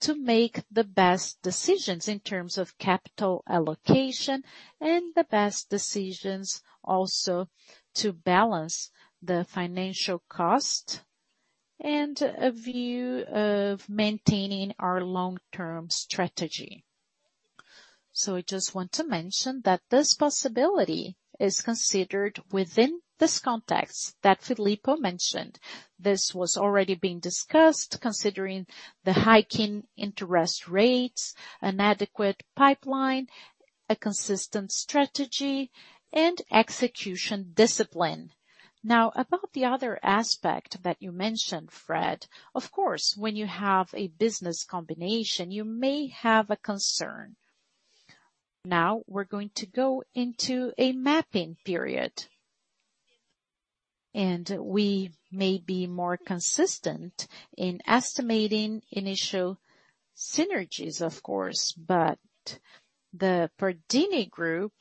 to make the best decisions in terms of capital allocation and the best decisions also to balance the financial cost and a view of maintaining our long-term strategy. I just want to mention that this possibility is considered within this context that Filippo mentioned. This was already being discussed considering the hiking interest rates, an adequate pipeline. A consistent strategy and execution discipline. Now, about the other aspect that you mentioned, Fred. Of course, when you have a business combination, you may have a concern. Now we're going to go into a mapping period. We may be more consistent in estimating initial synergies, of course, but the Pardini Group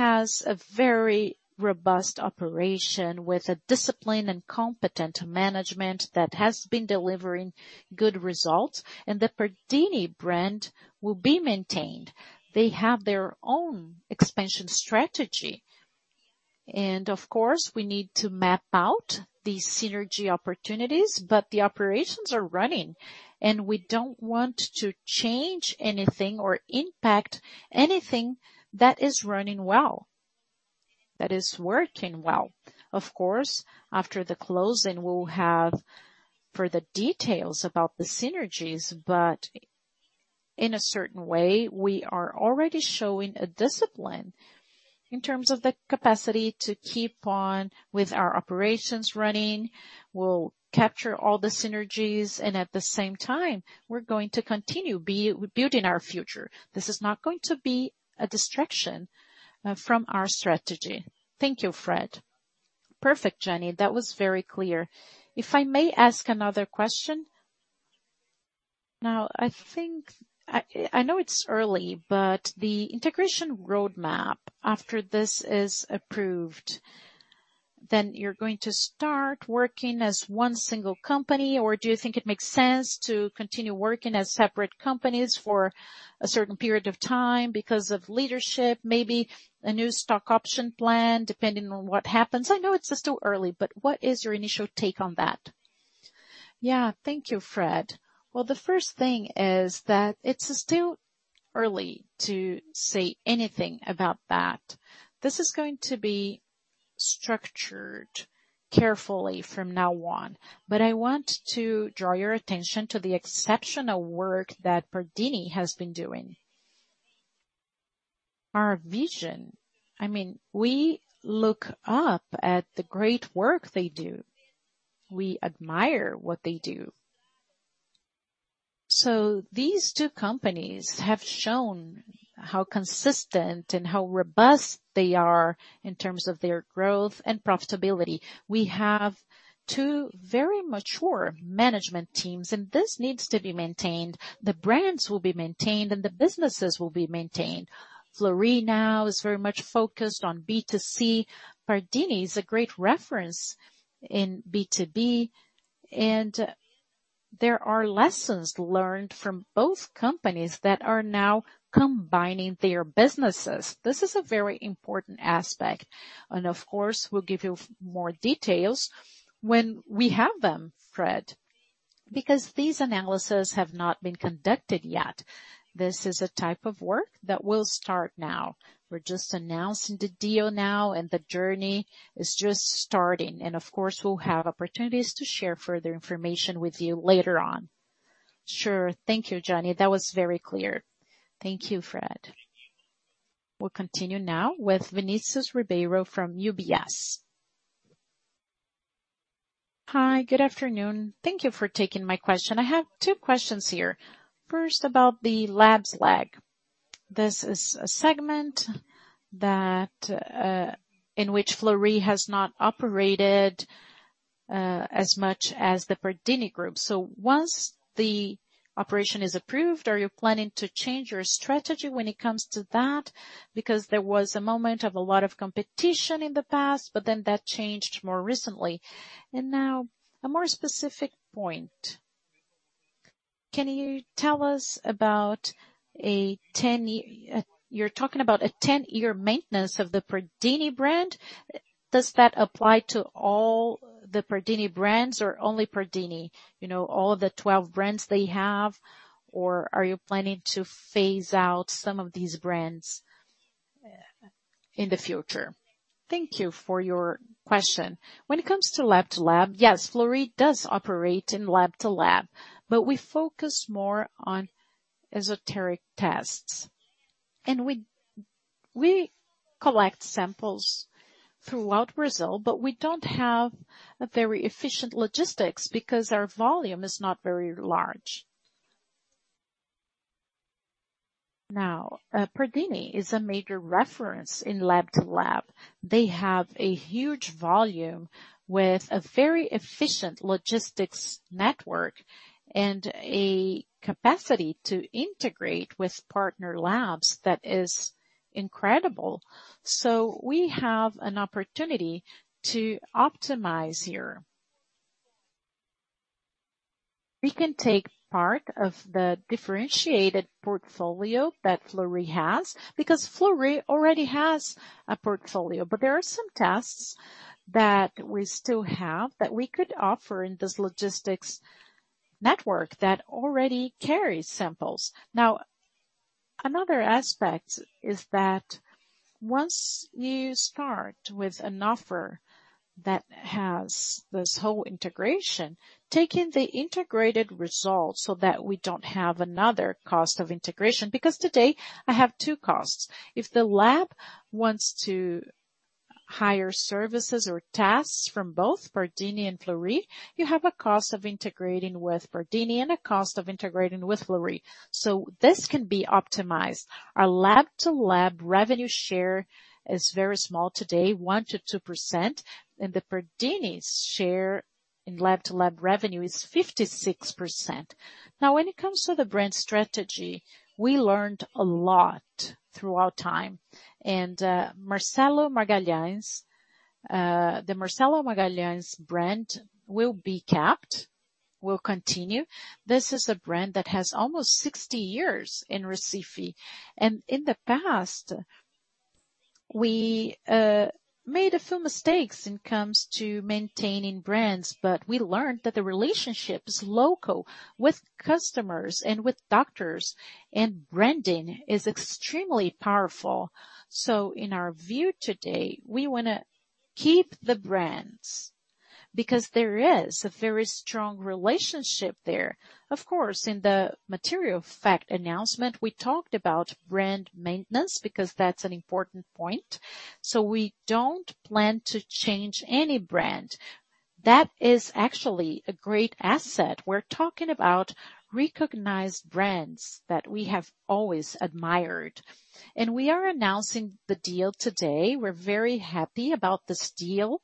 has a very robust operation with a discipline and competent management that has been delivering good results, and the Pardini brand will be maintained. They have their own expansion strategy. Of course, we need to map out the synergy opportunities, but the operations are running, and we don't want to change anything or impact anything that is running well, that is working well. Of course, after the closing, we'll have further details about the synergies, but in a certain way, we are already showing a discipline in terms of the capacity to keep on with our operations running. We'll capture all the synergies, and at the same time, we're going to continue building our future. This is not going to be a distraction from our strategy. Thank you, Fred. Perfect, Jeane. That was very clear. If I may ask another question. Now, I think I know it's early, but the integration roadmap after this is approved, then you're going to start working as one single company or do you think it makes sense to continue working as separate companies for a certain period of time because of leadership, maybe a new stock option plan, depending on what happens? I know it's still early, but what is your initial take on that? Yeah. Thank you, Fred. Well, the first thing is that it's still early to say anything about that. This is going to be structured carefully from now on. I want to draw your attention to the exceptional work that Pardini has been doing. Our vision, I mean, we look up at the great work they do. We admire what they do. These two companies have shown how consistent and how robust they are in terms of their growth and profitability. We have two very mature management teams, and this needs to be maintained, the brands will be maintained, and the businesses will be maintained. Fleury now is very much focused on B2C. Pardini is a great reference in B2B. There are lessons learned from both companies that are now combining their businesses. This is a very important aspect, and of course, we'll give you more details when we have them, Fred. Because these analyses have not been conducted yet. This is a type of work that we'll start now. We're just announcing the deal now, and the journey is just starting. Of course, we'll have opportunities to share further information with you later on. Sure. Thank you, Jeane. That was very clear. Thank you, Fred. We'll continue now with Vinicius Ribeiro from UBS. Hi, good afternoon. Thank you for taking my question. I have two questions here. First, about the lab-to-lab. This is a segment that in which Fleury has not operated as much as the Pardini Group. So once the operation is approved, are you planning to change your strategy when it comes to that? Because there was a moment of a lot of competition in the past, but then that changed more recently. Now a more specific point. Can you tell us about a ten-year maintenance of the Pardini brand? Does that apply to all the Pardini brands or only Pardini? You know, all of the 12 brands they have, or are you planning to phase out some of these brands, in the future? Thank you for your question. When it comes to lab-to-lab, yes, Fleury does operate in lab-to-lab, but we focus more on esoteric tests. We collect samples throughout Brazil, but we don't have a very efficient logistics because our volume is not very large. Now, Pardini is a major reference in lab-to-lab. They have a huge volume with a very efficient logistics network and a capacity to integrate with partner labs that is incredible. We have an opportunity to optimize here. We can take part of the differentiated portfolio that Fleury has, because Fleury already has a portfolio, but there are some tests that we still have that we could offer in this logistics network that already carries samples. Now, another aspect is that. Once you start with an offer that has this whole integration, taking the integrated results so that we don't have another cost of integration. Because today I have two costs. If the lab wants to hire services or tasks from both Pardini and Fleury, you have a cost of integrating with Pardini and a cost of integrating with Fleury. This can be optimized. Our lab-to-lab revenue share is very small today, 1%-2%, and Pardini's share in lab-to-lab revenue is 56%. Now, when it comes to the brand strategy, we learned a lot throughout time. Marcelo Magalhães brand will be kept, will continue. This is a brand that has almost 60 years in Recife. In the past, we made a few mistakes when it comes to maintaining brands, but we learned that the local relationships with customers and with doctors and branding is extremely powerful. In our view today, we wanna keep the brands because there is a very strong relationship there. Of course, in the material fact announcement, we talked about brand maintenance because that's an important point. We don't plan to change any brand. That is actually a great asset. We're talking about recognized brands that we have always admired. We are announcing the deal today. We're very happy about this deal.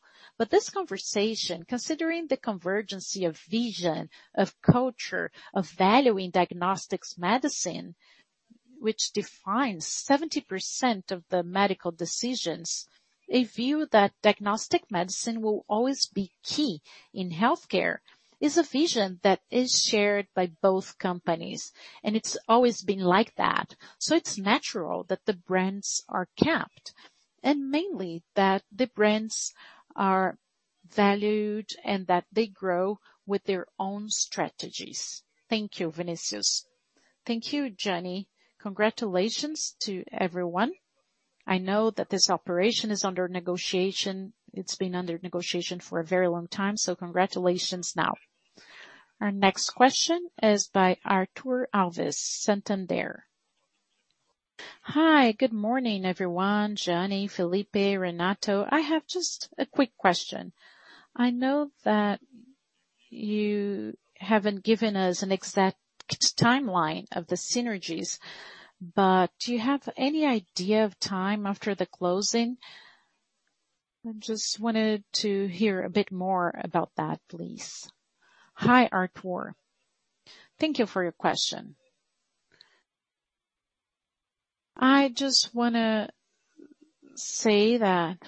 This conversation, considering the convergence of vision, of culture, of valuing diagnostic medicine, which defines 70% of the medical decisions, a view that diagnostic medicine will always be key in healthcare, is a vision that is shared by both companies, and it's always been like that. It's natural that the brands are kept, and mainly that the brands are valued and that they grow with their own strategies. Thank you, Vinicius. Thank you, Jeane. Congratulations to everyone. I know that this operation is under negotiation. It's been under negotiation for a very long time, so congratulations now. Our next question is by Arthur Alves, Santander. Hi, good morning, everyone. Jeane, José Filippo, Renato. I have just a quick question. I know that you haven't given us an exact timeline of the synergies, but do you have any idea of time after the closing? I just wanted to hear a bit more about that, please. Hi, Arthur. Thank you for your question. I just wanna say that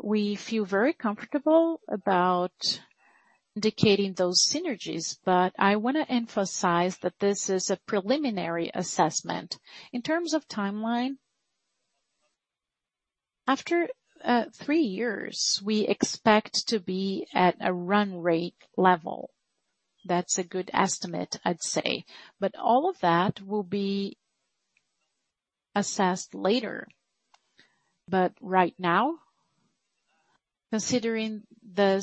we feel very comfortable about indicating those synergies, but I wanna emphasize that this is a preliminary assessment. In terms of timeline, after three years, we expect to be at a run rate level. That's a good estimate, I'd say. All of that will be assessed later. Right now, considering that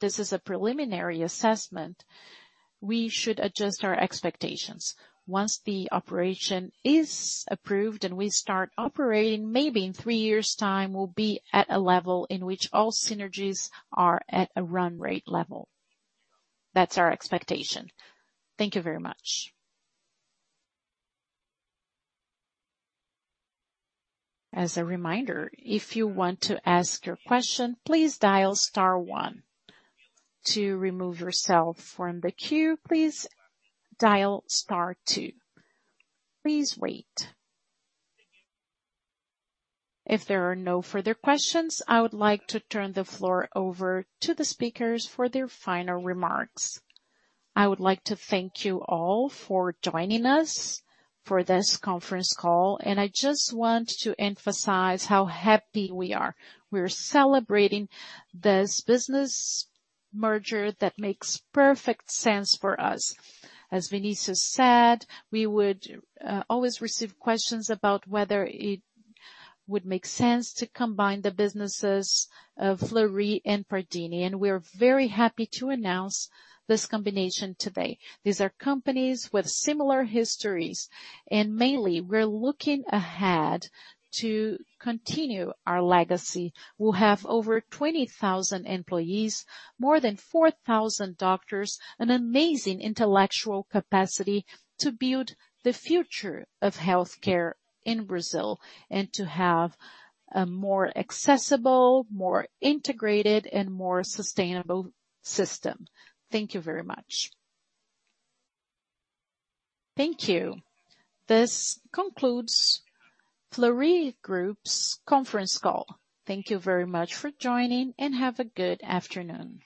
this is a preliminary assessment, we should adjust our expectations. Once the operation is approved and we start operating, maybe in three years' time, we'll be at a level in which all synergies are at a run rate level. That's our expectation. Thank you very much. As a reminder, if you want to ask your question, please dial star one. To remove yourself from the queue, please dial star two. Please wait. If there are no further questions, I would like to turn the floor over to the speakers for their final remarks. I would like to thank you all for joining us for this conference call. I just want to emphasize how happy we are. We're celebrating this business merger that makes perfect sense for us. As Vinicius said, we would always receive questions about whether it would make sense to combine the businesses of Fleury and Pardini, and we're very happy to announce this combination today. These are companies with similar histories, and mainly we're looking ahead to continue our legacy. We'll have over 20,000 employees, more than 4,000 doctors, an amazing intellectual capacity to build the future of healthcare in Brazil and to have a more accessible, more integrated, and more sustainable system. Thank you very much. Thank you. This concludes Fleury Group's conference call. Thank you very much for joining, and have a good afternoon.